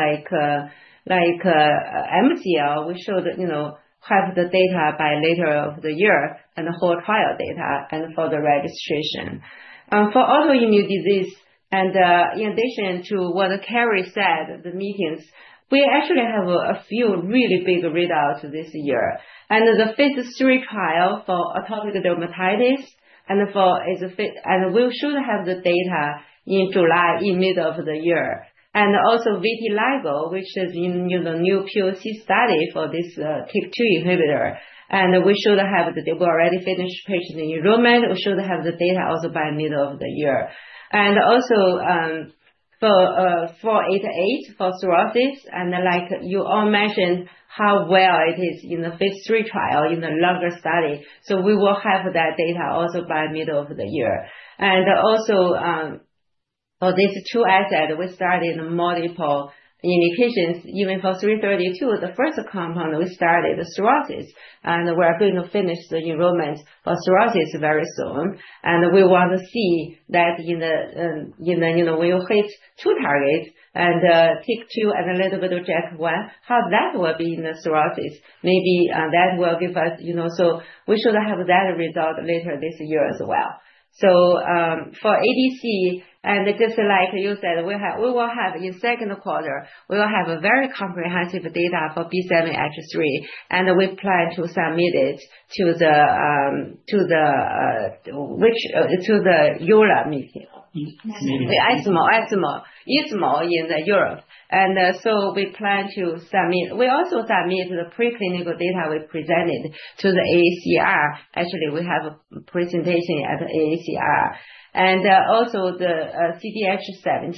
like MCL, we show that, you know, have the data by later of the year and the whole trial data and for the registration. For autoimmune disease, in addition to what Carrie said, the meetings, we actually have a few really big readouts this year. The phase III trial for atopic dermatitis and for... We should have the data in July, in middle of the year. Vitiligo, which is in, you know, new POC study for this TYK2 inhibitor. They've already finished patient enrollment. We should have the data also by middle of the year. For ICP-488, for psoriasis, and like you all mentioned, how well it is in the phase III trial, in the longer study. We will have that data also by middle of the year. For this two asset, we started multiple indications, even for ICP-332, the first compound we started, the psoriasis, and we are going to finish the enrollment for psoriasis very soon. We want to see that in the you know we'll hit two targets and TYK2 and a little bit of JAK1 how that will be in the psoriasis. Maybe that will give us you know we should have that result later this year as well. For ADC, and just like you said, we will have in second quarter a very comprehensive data for B7-H3, and we plan to submit it to the EULAR meeting. ESMO in Europe. We plan to submit. We also submit the preclinical data we presented to the AACR. Actually, we have a presentation at AACR. Also the CDH17,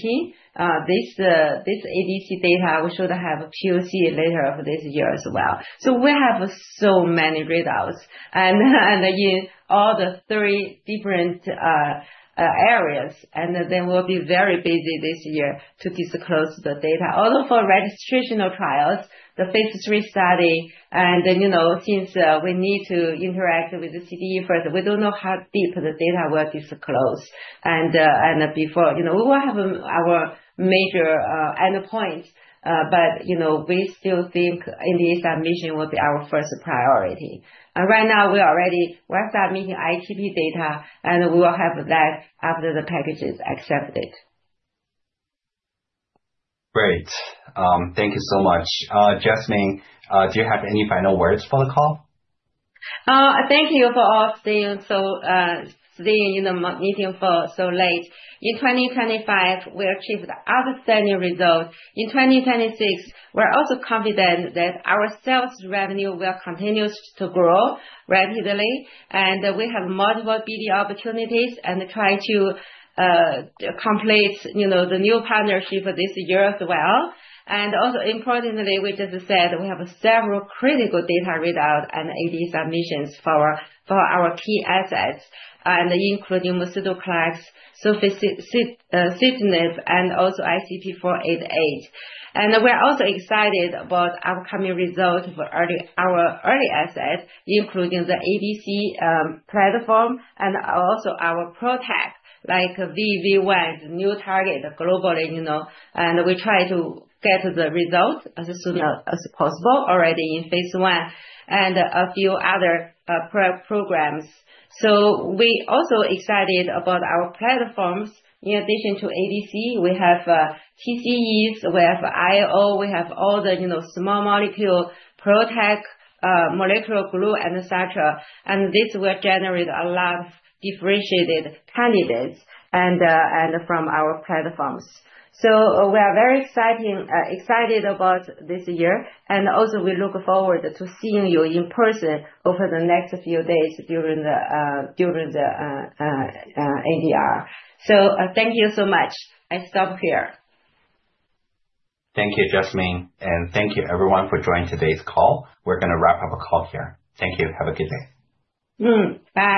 this ADC data, we should have a POC later this year as well. We have so many readouts in all the three different areas. They will be very busy this year to disclose the data. Although for registrational trials, the phase III study and since we need to interact with the CDE first, we don't know how deep the data we'll disclose. We will have our major endpoint, but we still think NDA submission will be our first priority. Right now we already are submitting ITP data, and we will have that after the package is accepted. Great. Thank you so much. Jasmine, do you have any final words for the call? Thank you all for staying in the meeting so late. In 2025, we achieved outstanding results. In 2026, we're also confident that our sales revenue will continue to grow rapidly, and we have multiple BD opportunities and try to complete the new partnership for this year as well. Also importantly, we just said we have several critical data readout and NDA submissions for our key assets, including Mesutoclax, Soficitinib, and ICP-488. We're also excited about upcoming results for our early assets, including the ADC platform and also our project, like VAV1, new target globally. We try to get the results as soon as possible already in phase I and a few other programs. We're also excited about our platforms. In addition to ADC, we have TCEs, we have IO, we have all the, you know, small molecule projects, molecular glue and et cetera. This will generate a lot of differentiated candidates and from our platforms. We are excited about this year and also we look forward to seeing you in person over the next few days during the NDR. Thank you so much. I stop here. Thank you, Jasmine Cui. Thank you everyone for joining today's call. We're gonna wrap up the call here. Thank you. Have a good day. Bye.